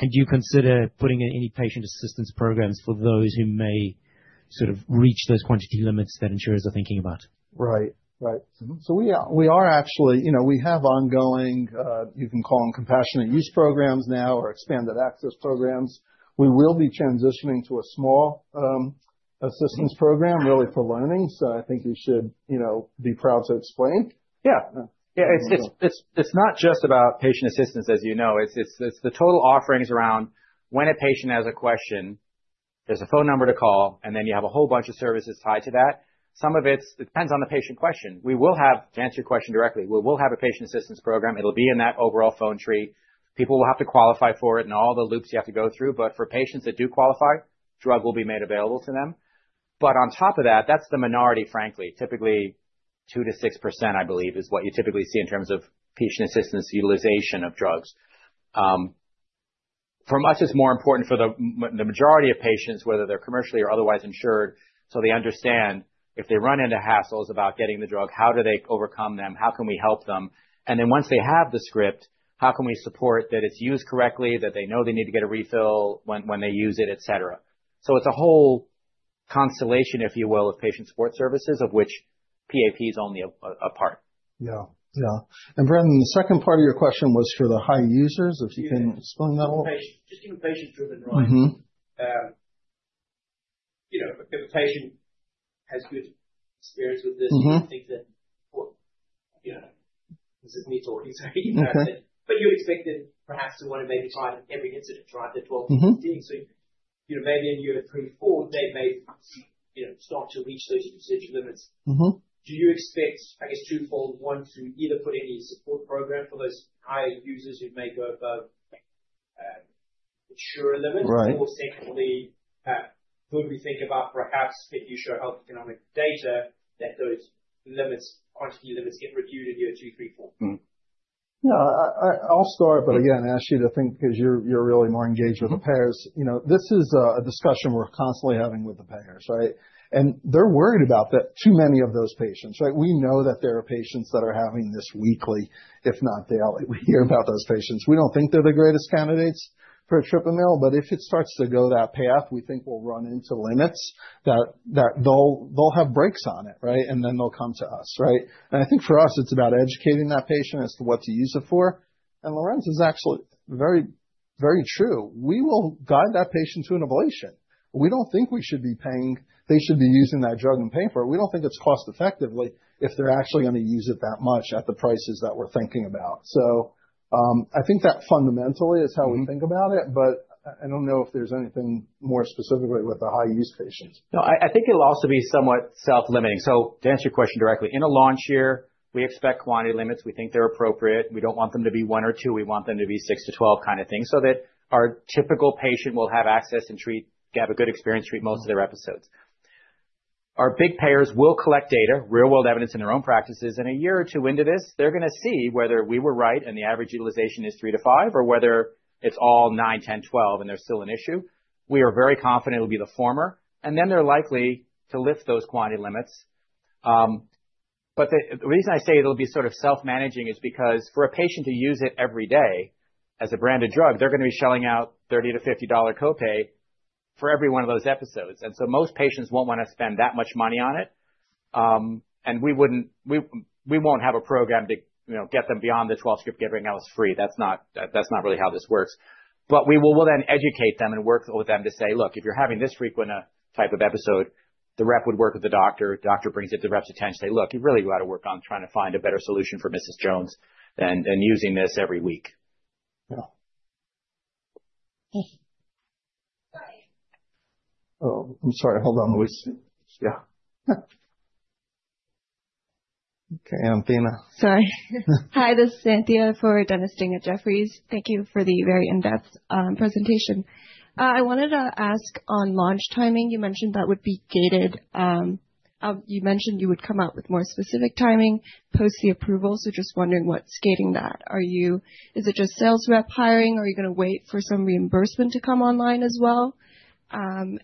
Could you consider putting in any patient assistance programs for those who may sort of reach those quantity limits that insurers are thinking about? Right. We have ongoing, you can call them compassionate use programs now or expanded access programs. We will be transitioning to a small assistance program, really for learning. I think you should be proud to explain. Yeah. It's not just about patient assistance as you know. It's the total offerings around when a patient has a question, there's a phone number to call, and then you have a whole bunch of services tied to that. Some of it depends on the patient question. To answer your question directly, we will have a patient assistance program. It'll be in that overall phone tree. People will have to qualify for it and all the loops you have to go through, but for patients that do qualify, drug will be made available to them. But on top of that's the minority, frankly. Typically, 2%-6%, I believe, is what you typically see in terms of patient assistance utilization of drugs. For us, it's more important for the majority of patients, whether they're commercially or otherwise insured, so they understand if they run into hassles about getting the drug, how do they overcome them? How can we help them? Once they have the script, how can we support that it's used correctly, that they know they need to get a refill when they use it, et cetera. It's a whole constellation, if you will, of patient support services, of which PAP is only a part. Yeah. Brendan, the second part of your question was for the high users, if you can explain that a little. Just in patient-driven, right? If a patient has good experience with this. Do you think that this is me talking. Okay. You would expect that perhaps they want to maybe try every incident, try the 12-15. Maybe in year three, four, they may start to reach those usage limits. Do you expect, I guess twofold, one, to either put any support program for those high users who may go above sure limits. Right. Or secondly, would we think about perhaps if you show health economic data that those limits, RCA limits get reviewed in year two, three, four? Yeah, I'll start, but again, Ashley, I think because you're really more engaged with the payers. This is a discussion we're constantly having with the payers, right? They're worried about that too many of those patients, right? We know that there are patients that are having this weekly, if not daily. We hear about those patients. We don't think they're the greatest candidates for etripamil, but if it starts to go that path, we think we'll run into limits that they'll have brakes on it, right? Then they'll come to us, right? I think for us, it's about educating that patient as to what to use it for. Lorenz, it's actually very true. We will guide that patient to an ablation. We don't think we should be paying. They should be using that drug and paying for it. We don't think it's cost effective if they're actually going to use it that much at the prices that we're thinking about. I think that fundamentally is how we think about it, but I don't know if there's anything more specifically with the high-use patients. No, I think it'll also be somewhat self-limiting. To answer your question directly, in a launch year, we expect quantity limits. We think they're appropriate. We don't want them to be one or two. We want them to be six to 12 kind of thing, so that our typical patient will have access and have a good experience treating most of their episodes. Our big payers will collect data, real-world evidence in their own practices. In a year or two into this, they're going to see whether we were right and the average utilization is three to five, or whether it's all nine, 10, 12, and there's still an issue. We are very confident it will be the former. Then they're likely to lift those quantity limits. The reason I say it'll be sort of self-managing is because for a patient to use it every day, as a branded drug, they're going to be shelling out $30-$50 copay for every one of those episodes. Most patients won't want to spend that much money on it. We won't have a program to get them beyond the 12 script, everything else free. That's not really how this works. We will then educate them and work with them to say, "Look, if you're having this frequent a type of episode," the rep would work with the doctor. Doctor brings it to the rep's attention to say, "Look, you really got to work on trying to find a better solution for Mrs. Jones than using this every week. Yeah. Oh, I'm sorry. Hold on, Luis. Yeah. Okay, Athena. Sorry. Hi, this is Cynthia for Dennis Ding at Jefferies. Thank you for the very in-depth presentation. I wanted to ask on launch timing, you mentioned that would be gated. You mentioned you would come out with more specific timing post the approval. Just wondering what's gating that. Is it just sales rep hiring? Are you going to wait for some reimbursement to come online as well?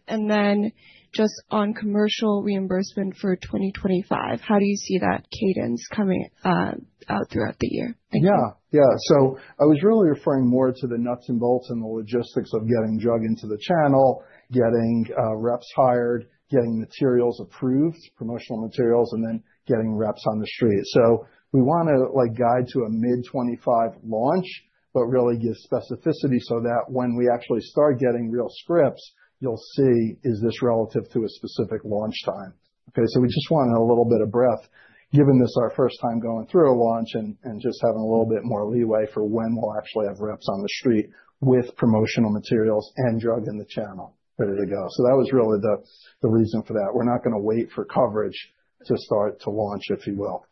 Then just on commercial reimbursement for 2025, how do you see that cadence coming out throughout the year? Thank you. Yeah. I was really referring more to the nuts and bolts and the logistics of getting drug into the channel, getting reps hired, getting materials approved, promotional materials, and then getting reps on the street. We want to guide to a mid-2025 launch, but really give specificity so that when we actually start getting real scripts, you'll see is this relative to a specific launch time. Okay? We just want a little bit of breadth, given this our first time going through a launch and just having a little bit more leeway for when we'll actually have reps on the street with promotional materials and drug in the channel ready to go. That was really the reason for that. We're not going to wait for coverage to start to launch, if you will.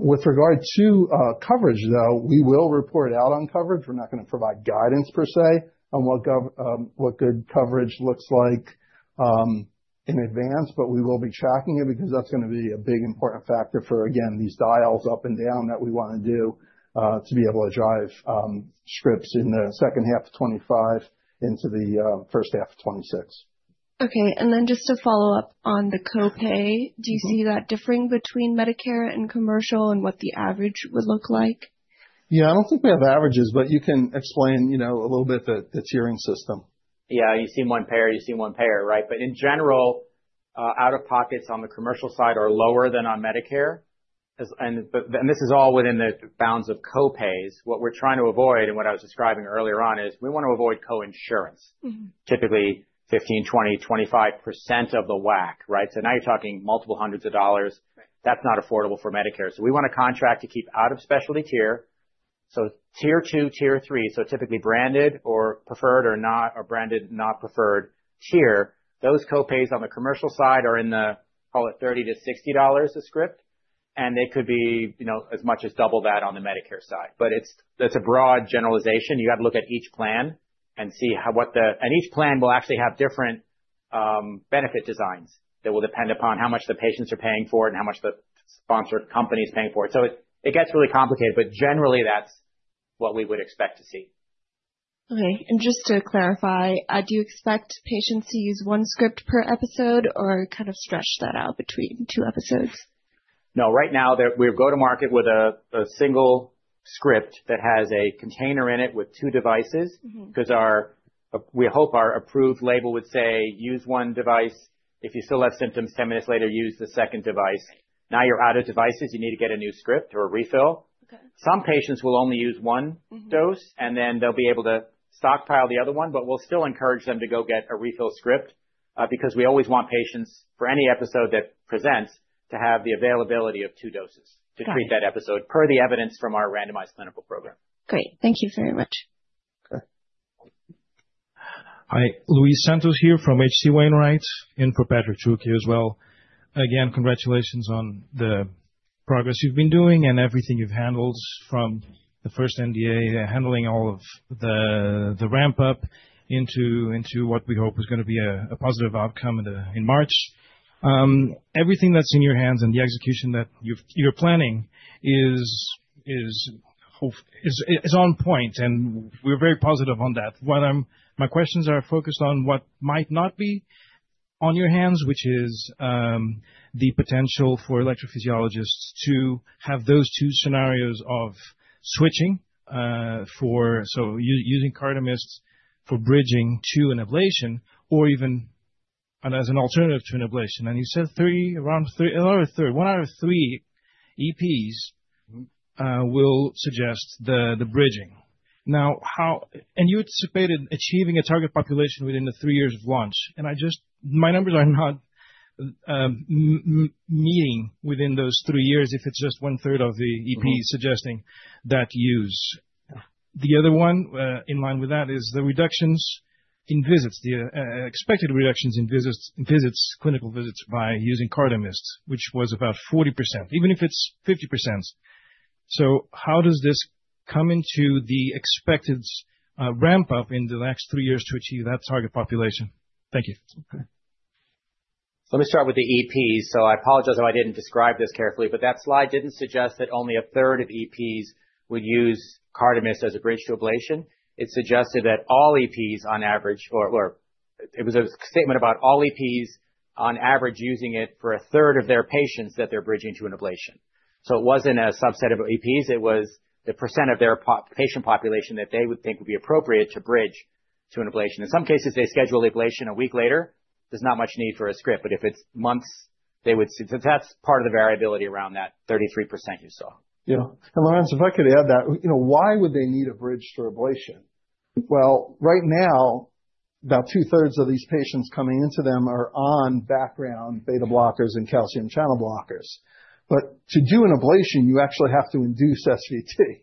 With regard to coverage, though, we will report out on coverage. We're not going to provide guidance per se on what good coverage looks like in advance, but we will be tracking it because that's going to be a big important factor for, again, these dials up and down that we want to do, to be able to drive scripts in the second half of 2025 into the first half of 2026. Okay. Just to follow up on the copay, do you see that differing between Medicare and commercial and what the average would look like? Yeah. I don't think we have averages, but you can explain a little bit the tiering system. Yeah. You've seen one payer, right? In general, out-of-pockets on the commercial side are lower than on Medicare. This is all within the bounds of copays. What we're trying to avoid, and what I was describing earlier on is, we want to avoid co-insurance. Typically 15%-20%-25% of the WAC, right? Now you're talking multiple hundreds of dollars. That's not affordable for Medicare. We want to contract to keep out of specialty tier. Tier 2, Tier 3, so typically branded or preferred or not, or branded not preferred tier. Those copays on the commercial side are in the, call it $30-$60 a script, and they could be as much as double that on the Medicare side. That's a broad generalization. You got to look at each plan and see how and each plan will actually have different benefit designs that will depend upon how much the patients are paying for it and how much the sponsored company is paying for it. It gets really complicated, but generally, that's what we would expect to see. Okay. Just to clarify, do you expect patients to use one script per episode or kind of stretch that out between two episodes? No. Right now, we go to market with a single script that has a container in it with two devices because we hope our approved label would say, "Use one device. If you still have symptoms 10 minutes later, use the second device. Now you're out of devices. You need to get a new script or a refill. Okay. Some patients will only use one dose. They'll be able to stockpile the other one, but we'll still encourage them to go get a refill script, because we always want patients, for any episode that presents, to have the availability of two doses to treat that episode per the evidence from our randomized clinical program. Great. Thank you very much. Okay. Hi, Luis Santos here from H.C. Wainwright in for Patrick Trucchio as well. Again, congratulations on the progress you've been doing and everything you've handled from the first NDA to handling all of the ramp-up into what we hope is going to be a positive outcome in March. Everything that's in your hands and the execution that you're planning is on point, and we're very positive on that. My questions are focused on what might not be on your hands, which is the potential for electrophysiologists to have those two scenarios of switching. So using CARDAMYST for bridging to an ablation or even as an alternative to an ablation. You said one out of three EPs will suggest the bridging. You anticipated achieving a target population within the three years of launch. My numbers are not meeting within those three years, if it's just one-third of the EPs suggesting that use. The other one in line with that is the reductions in visits, the expected reductions in clinical visits by using CARDAMYST, which was about 40%, even if it's 50%. How does this come into the expected ramp-up in the next three years to achieve that target population? Thank you. Okay. Let me start with the EPs. I apologize if I didn't describe this carefully, but that slide didn't suggest that only a third of EPs would use CARDAMYST as a bridge to ablation. It was a statement about all EPs on average using it for a third of their patients that they're bridging to an ablation. It wasn't a subset of EPs, it was the percent of their patient population that they would think would be appropriate to bridge to an ablation. In some cases, they schedule ablation a week later. There's not much need for a script. If it's months, they would see. That's part of the variability around that 33% you saw. Yeah. Lorenz, if I could add that. Why would they need a bridge for ablation? Well, right now, about two-thirds of these patients coming into them are on background beta blockers and calcium channel blockers. To do an ablation, you actually have to induce SVT.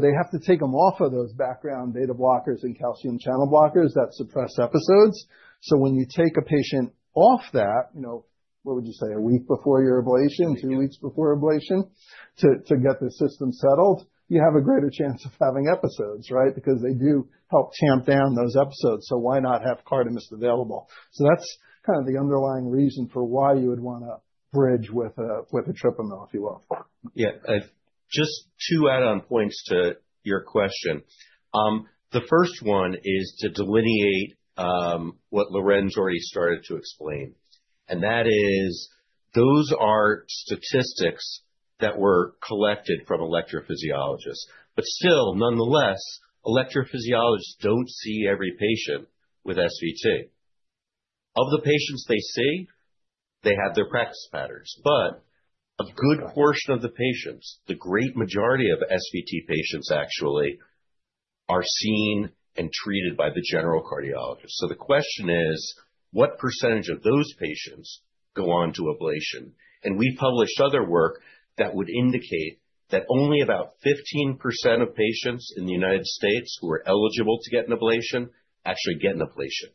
They have to take them off of those background beta blockers and calcium channel blockers that suppress episodes. When you take a patient off that, what would you say, a week before your ablation, two weeks before ablation, to get their system settled, you have a greater chance of having episodes, right? Because they do help tamp down those episodes, so why not have CARDAMYST available? That's kind of the underlying reason for why you would want to bridge with etripamil if you want. Yeah. Just two add-on points to your question. The first one is to delineate what Lorenz already started to explain. That is, those are statistics that were collected from electrophysiologists. Still, nonetheless, electrophysiologists don't see every patient with SVT. Of the patients they see, they have their practice patterns. A good portion of the patients, the great majority of SVT patients actually, are seen and treated by the general cardiologist. The question is, what percentage of those patients go on to ablation? We published other work that would indicate that only about 15% of patients in the United States who are eligible to get an ablation actually get an ablation.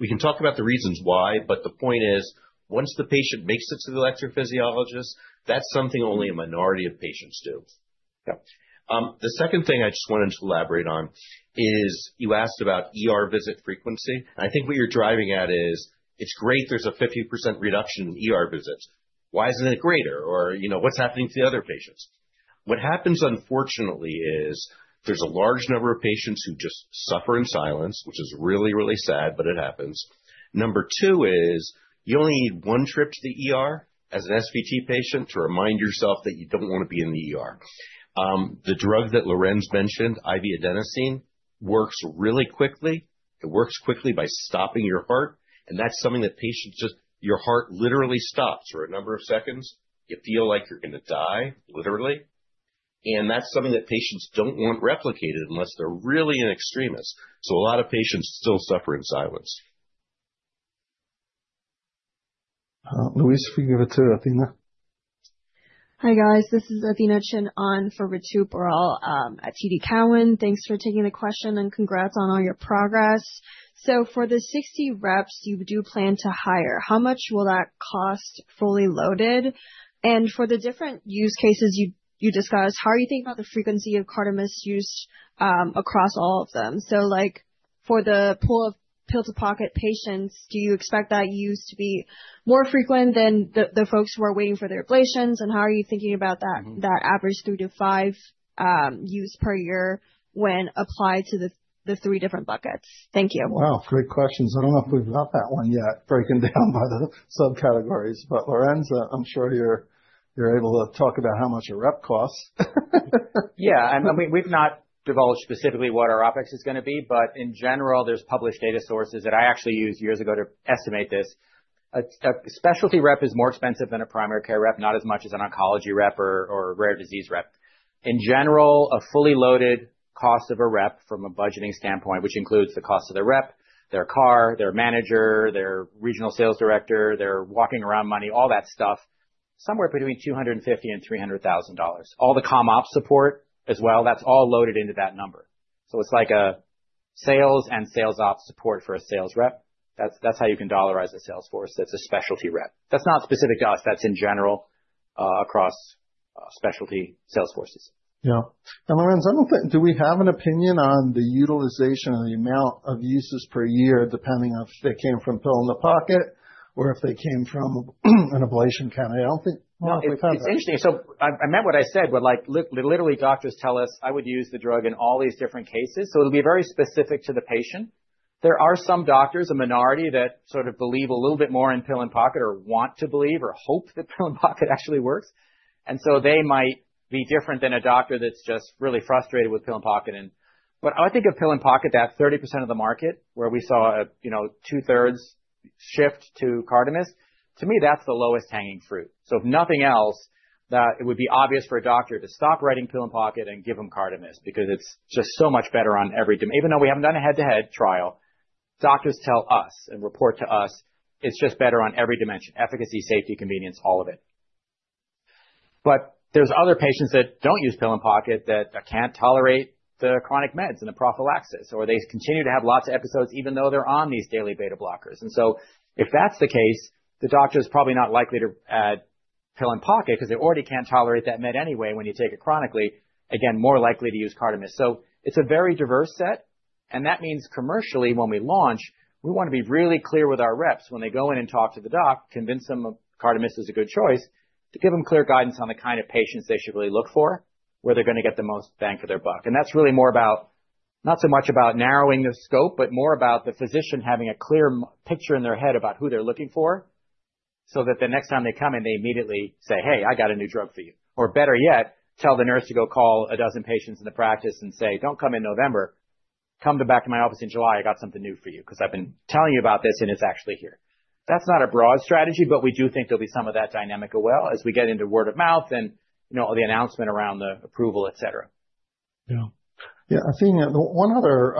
We can talk about the reasons why, but the point is, once the patient makes it to the electrophysiologist, that's something only a minority of patients do. Yeah. The second thing I just wanted to elaborate on is you asked about ER visit frequency. I think what you're driving at is it's great there's a 50% reduction in ER visits. Why isn't it greater? Or what's happening to the other patients? What happens unfortunately is there's a large number of patients who just suffer in silence, which is really, really sad, but it happens. Number two is you only need one trip to the ER as an SVT patient to remind yourself that you don't want to be in the ER. The drug that Lorenz mentioned, IV adenosine, works really quickly. It works quickly by stopping your heart, and that's something that patients just. Your heart literally stops for a number of seconds. You feel like you're going to die, literally. That's something that patients don't want replicated unless they're really in extremis. A lot of patients still suffer in silence. Luis, if you give it to Athena. Hi, guys. This is Athena Chin on for Ritu Baral at TD Cowen. Thanks for taking the question and congrats on all your progress. For the 60 reps you do plan to hire, how much will that cost fully loaded? And for the different use cases you discussed, how are you thinking about the frequency of CARDAMYST use across all of them? Like, for the pill-in-the-pocket patients, do you expect that use to be more frequent than the folks who are waiting for their ablations and how are you thinking about that average three to five uses per year when applied to the three different buckets? Thank you. Wow, great questions. I don't know if we've got that one yet broken down by the subcategories. Lorenz, I'm sure you're able to talk about how much a rep costs. Yeah. We've not divulged specifically what our OpEx is going to be, but in general, there's published data sources that I actually used years ago to estimate this. A specialty rep is more expensive than a primary care rep, not as much as an oncology rep or a rare disease rep. In general, a fully loaded cost of a rep from a budgeting standpoint, which includes the cost of the rep, their car, their manager, their regional sales director, their walking around money, all that stuff. Somewhere between $250,000-$300,000. All the comm ops support as well, that's all loaded into that number. It's like a sales and sales ops support for a sales rep. That's how you can dollarize a sales force that's a specialty rep. That's not specific to us. That's in general across specialty sales forces. Yeah. Lorenz, do we have an opinion on the utilization or the amount of uses per year, depending if they came from pill-in-the-pocket or if they came from an ablation clinic? I don't think we've had that. It's interesting. I meant what I said, but literally, doctors tell us, "I would use the drug in all these different cases." It'll be very specific to the patient. There are some doctors, a minority, that sort of believe a little bit more in pill-in-pocket or want to believe or hope that pill-in-pocket actually works, and they might be different than a doctor that's just really frustrated with pill-in-pocket. I would think of pill-in-pocket, that 30% of the market where we saw two-thirds shift to CARDAMYST, to me, that's the lowest hanging fruit. If nothing else, it would be obvious for a doctor to stop writing pill-in-pocket and give them CARDAMYST because it's just so much better on every. Even though we haven't done a head-to-head trial, doctors tell us and report to us it's just better on every dimension, efficacy, safety, convenience, all of it. There's other patients that don't use pill-in-pocket that can't tolerate the chronic meds and the prophylaxis, or they continue to have lots of episodes even though they're on these daily beta blockers. If that's the case, the doctor's probably not likely to add pill-in-pocket because they already can't tolerate that med anyway when you take it chronically. Again, more likely to use CARDAMYST. It's a very diverse set, and that means commercially, when we launch, we want to be really clear with our reps when they go in and talk to the doc, convince them CARDAMYST is a good choice to give them clear guidance on the kind of patients they should really look for, where they're going to get the most bang for their buck. That's really more about not so much about narrowing the scope, but more about the physician having a clear picture in their head about who they're looking for so that the next time they come in, they immediately say, "Hey, I got a new drug for you." Or better yet, tell the nurse to go call a dozen patients in the practice and say, "Don't come in November. Come to the back of my office in July. I got something new for you because I've been telling you about this and it's actually here. That's not a broad strategy, but we do think there'll be some of that dynamic as well as we get into word of mouth and all the announcement around the approval, et cetera. Yeah. Yeah, Athena, one other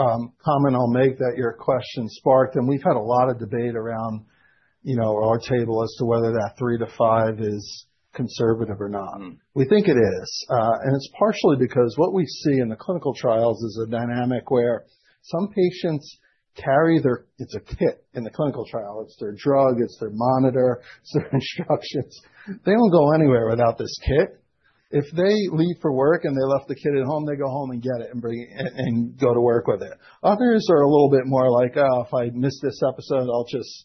comment I'll make that your question sparked, and we've had a lot of debate around our table as to whether that three to five is conservative or not. We think it is. It's partially because what we see in the clinical trials is a dynamic where some patients carry their kit in the clinical trial. It's their drug, it's their monitor, it's their instructions. They don't go anywhere without this kit. If they leave for work and they left the kit at home, they go home and get it and go to work with it. Others are a little bit more like, "Oh, if I miss this episode,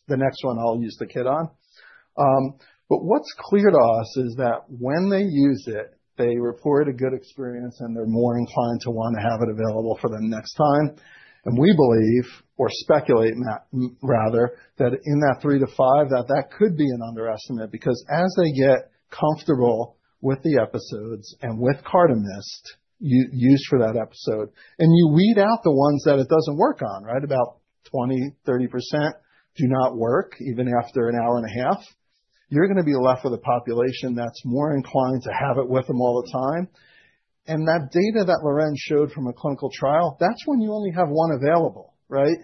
the next one I'll use the kit on." What's clear to us is that when they use it, they report a good experience, and they're more inclined to want to have it available for the next time. We believe or speculate rather, that in that three to five, that that could be an underestimate because as they get comfortable with the episodes and with CARDAMYST used for that episode, and you weed out the ones that it doesn't work on, right about 20%-30% do not work even after an hour and a half. You're going to be left with a population that's more inclined to have it with them all the time. That data that Lorenz showed from a clinical trial, that's when you only have one available, right?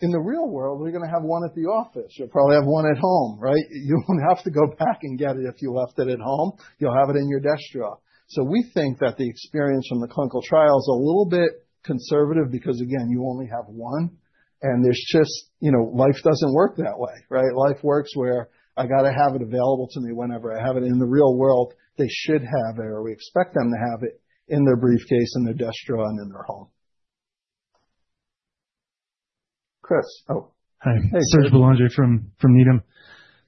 In the real world, they're going to have one at the office. You'll probably have one at home, right? You won't have to go back and get it if you left it at home. You'll have it in your desk drawer. We think that the experience from the clinical trial is a little bit conservative because again, you only have one, and life doesn't work that way, right? Life works where I got to have it available to me whenever. I have it in the real world, they should have it, or we expect them to have it in their briefcase, in their desk drawer, and in their home. Chris. Serge Belanger from Needham.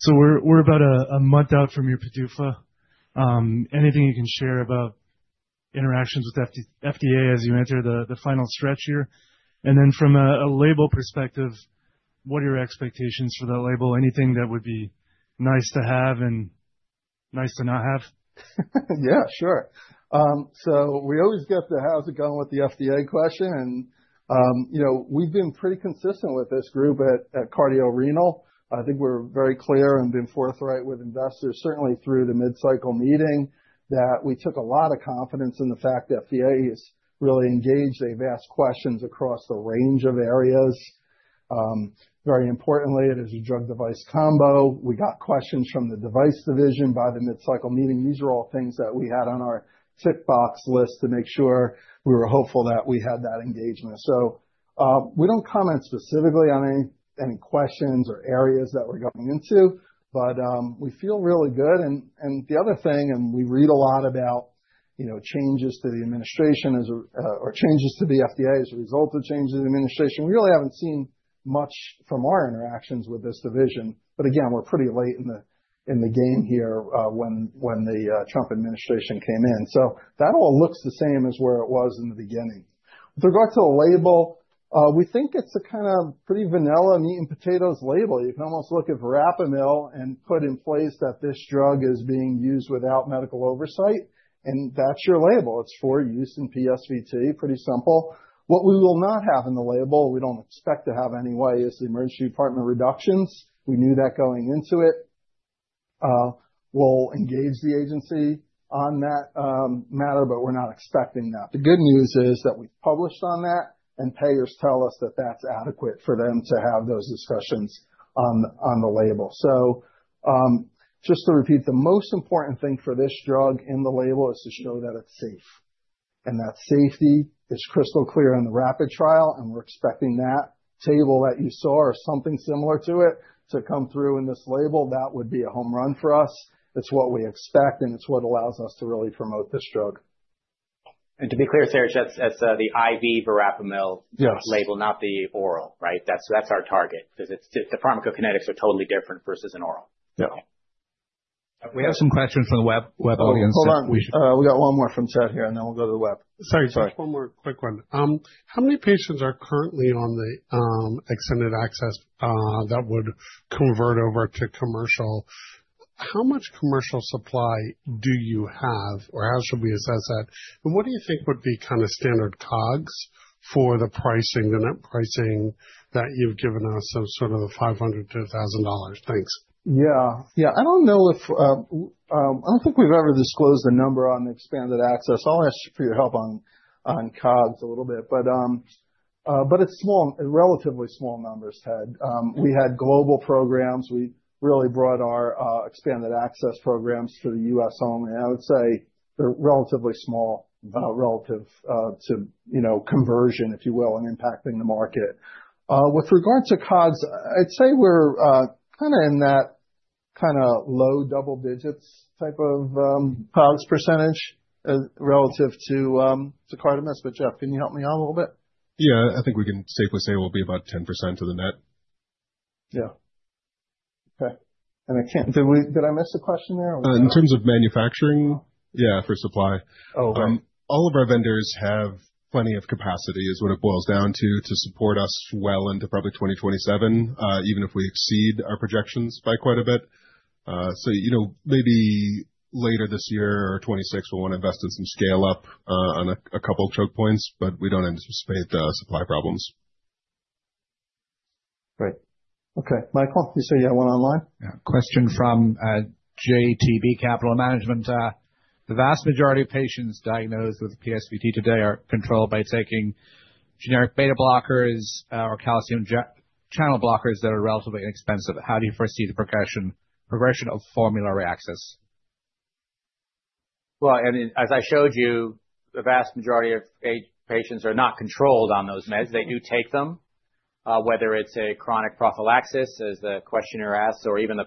We're about a month out from your PDUFA. Anything you can share about interactions with FDA as you enter the final stretch here? And then from a label perspective, what are your expectations for that label? Anything that would be nice to have and nice to not have? Yeah, sure. We always get the how's it going with the FDA question, and we've been pretty consistent with this group at Cardiorenal. I think we're very clear and been forthright with investors, certainly through the mid-cycle meeting, that we took a lot of confidence in the fact that FDA is really engaged. They've asked questions across a range of areas. Very importantly, it is a drug device combo. We got questions from the device division by the mid-cycle meeting. These are all things that we had on our tick box list to make sure we were hopeful that we had that engagement. We don't comment specifically on any questions or areas that we're going into, but we feel really good. The other thing, we read a lot about changes to the administration or changes to the FDA as a result of changes in administration. We really haven't seen much from our interactions with this division. Again, we're pretty late in the game here when the Trump administration came in. That all looks the same as where it was in the beginning. With regard to the label, we think it's a kind of pretty vanilla, meat and potatoes label. You can almost look at verapamil and put in place that this drug is being used without medical oversight, and that's your label. It's for use in PSVT. Pretty simple. What we will not have in the label, we don't expect to have anyway, is the emergency department reductions. We knew that going into it. We'll engage the agency on that matter, but we're not expecting that. The good news is that we've published on that, and payers tell us that that's adequate for them to have those discussions on the label. Just to repeat, the most important thing for this drug in the label is to show that it's safe. That safety is crystal clear in the RAPID trial, and we're expecting that table that you saw or something similar to it to come through in this label. That would be a home run for us. It's what we expect, and it's what allows us to really promote this drug. To be clear, Serge that's the IV verapamil- Yes -label, not the oral, right? That's our target. Because the pharmacokinetics are totally different versus an oral. Yeah. Okay. We have some questions from the web audience that we should. Hold on. We got one more from Ted here, and then we'll go to the web. Sorry. Sorry, just one more quick one. How many patients are currently on the extended access that would convert over to commercial? How much commercial supply do you have, or how should we assess that? What do you think would be standard COGS for the net pricing that you've given us of sort of the $500-$1,000? Thanks. Yeah. I don't think we've ever disclosed a number on expanded access. I'll ask for your help on COGS a little bit. It's relatively small numbers, Ted. We had global programs. We really brought our expanded access programs to the U.S. only, and I would say they're relatively small relative to conversion, if you will, and impacting the market. With regards to COGS, I'd say we're kind of in that low double digits type of COGS percentage relative to CARDAMYST. Jeff, can you help me out a little bit? Yeah. I think we can safely say we'll be about 10% of the net. Yeah. Okay. Did I miss a question there? In terms of manufacturing? Yeah, for supply. Oh, okay. All of our vendors have plenty of capacity is what it boils down to support us well into probably 2027, even if we exceed our projections by quite a bit. Maybe later this year or 2026, we'll want to invest in some scale-up on a couple of choke points, but we don't anticipate supply problems. Great. Okay, Michael, you say you had one online? Yeah. Question from JTB Capital Management. The vast majority of patients diagnosed with PSVT today are controlled by taking generic beta blockers or calcium channel blockers that are relatively inexpensive. How do you foresee the progression of formulary access? Well, as I showed you, the vast majority of patients are not controlled on those meds. They do take them, whether it's a chronic prophylaxis, as the questioner asks, or even the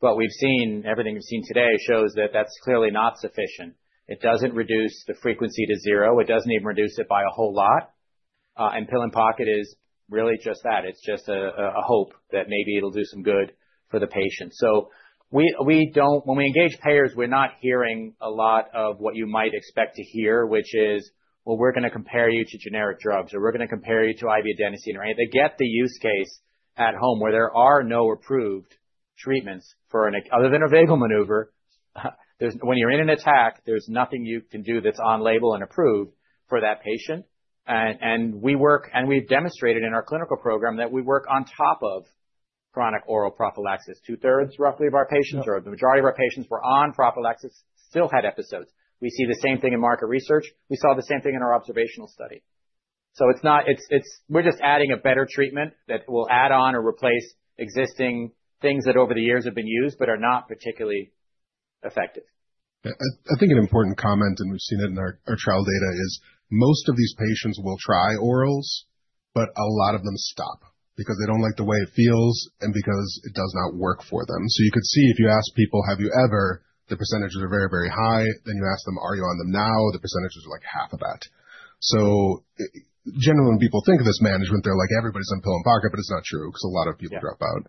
pill-in-the-pocket. Everything we've seen today shows that that's clearly not sufficient. It doesn't reduce the frequency to zero. It doesn't even reduce it by a whole lot. Pill-in-the-pocket is really just that. It's just a hope that maybe it'll do some good for the patient. When we engage payers, we're not hearing a lot of what you might expect to hear, which is, "Well, we're going to compare you to generic drugs," or, "We're going to compare you to IV adenosine." They get the use case at home, where there are no approved treatments other than a vagal maneuver. When you're in an attack, there's nothing you can do that's on-label and approved for that patient. We've demonstrated in our clinical program that we work on top of chronic oral prophylaxis. Two-thirds roughly of our patients, or the majority of our patients were on prophylaxis still had episodes. We see the same thing in market research. We saw the same thing in our observational study. We're just adding a better treatment that will add on or replace existing things that over the years have been used but are not particularly effective. I think an important comment, and we've seen it in our trial data, is most of these patients will try orals, but a lot of them stop because they don't like the way it feels and because it does not work for them. You could see if you ask people, "Have you ever?" The percentages are very, very high. You ask them, "Are you on them now?" The percentages are, like, half of that. Generally, when people think of this management, they're like, "Everybody's on pill-in-pocket," but it's not true, because a lot of people drop out.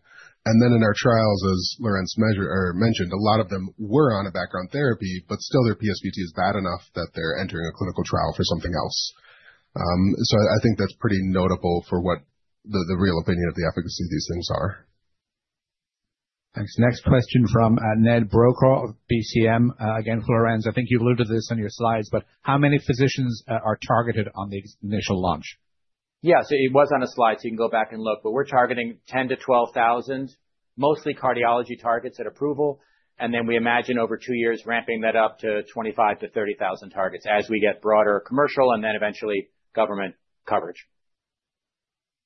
In our trials, as Lorenz mentioned, a lot of them were on a background therapy, but still their PSVT is bad enough that they're entering a clinical trial for something else. I think that's pretty notable for what the real opinion of the efficacy of these things are. Thanks. Next question from Ned Brokaw of BCM. Again, Lorenz, I think you alluded to this on your slides, but how many physicians are targeted on the initial launch? Yeah. It was on a slide, so you can go back and look. We're targeting 10,000-12,000, mostly cardiology targets at approval. We imagine over two years ramping that up to 25,000-30,000 targets as we get broader commercial and then eventually government coverage.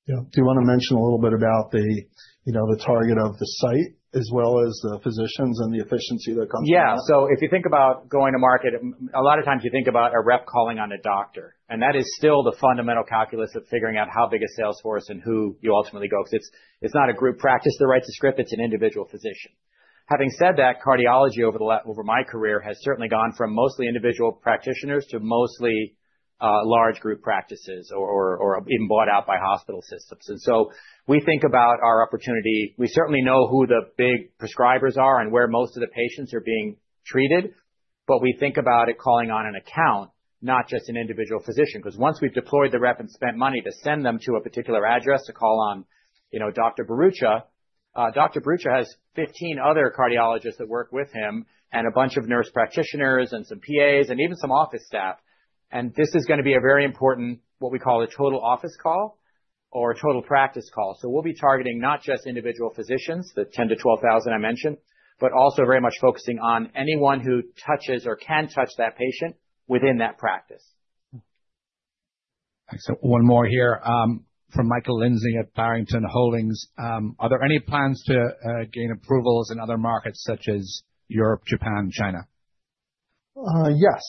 Yeah. Do you want to mention a little bit about the target of the site as well as the physicians and the efficiency that comes with that? Yeah. If you think about going to market, a lot of times you think about a rep calling on a doctor. That is still the fundamental calculus of figuring out how big a sales force and who you ultimately go, because it's not a group practice that writes a script, it's an individual physician. Having said that, cardiology over my career has certainly gone from mostly individual practitioners to mostly large group practices or being bought out by hospital systems. We think about our opportunity. We certainly know who the big prescribers are and where most of the patients are being treated. We think about it calling on an account, not just an individual physician, because once we've deployed the rep and spent money to send them to a particular address to call on Dr. Bharucha, Dr. Bharucha has 15 other cardiologists that work with him and a bunch of nurse practitioners and some PAs and even some office staff. This is going to be a very important, what we call a total office call or a total practice call. We'll be targeting not just individual physicians, the 10,000-12,000 I mentioned, but also very much focusing on anyone who touches or can touch that patient within that practice. Thanks. One more here from Michael Lindsay at Barrington Holdings. Are there any plans to gain approvals in other markets such as Europe, Japan, China? Yes.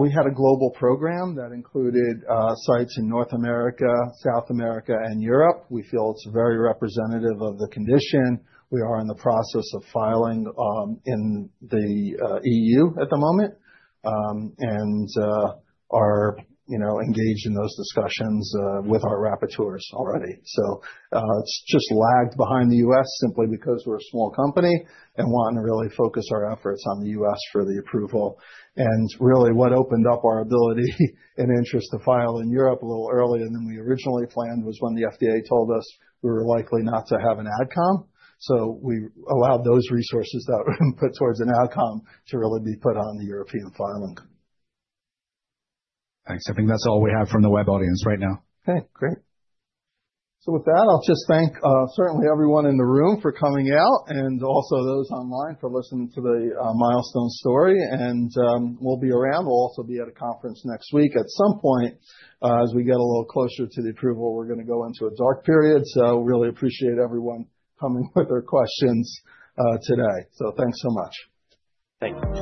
We had a global program that included sites in North America, South America, and Europe. We feel it's very representative of the condition. We are in the process of filing in the EU at the moment, and are engaged in those discussions with our rapporteurs already. It's just lagged behind the U.S. simply because we're a small company and want to really focus our efforts on the U.S. for the approval. Really what opened up our ability and interest to file in Europe a little earlier than we originally planned was when the FDA told us we were likely not to have an AdCom. We allowed those resources that were input towards an AdCom to really be put on the European filing. Thanks. I think that's all we have from the web audience right now. Okay, great. With that, I'll just thank certainly everyone in the room for coming out and also those online for listening to the Milestone story. We'll be around. We'll also be at a conference next week. At some point, as we get a little closer to the approval, we're going to go into a dark period. Really appreciate everyone coming with their questions today. Thanks so much. Thank you.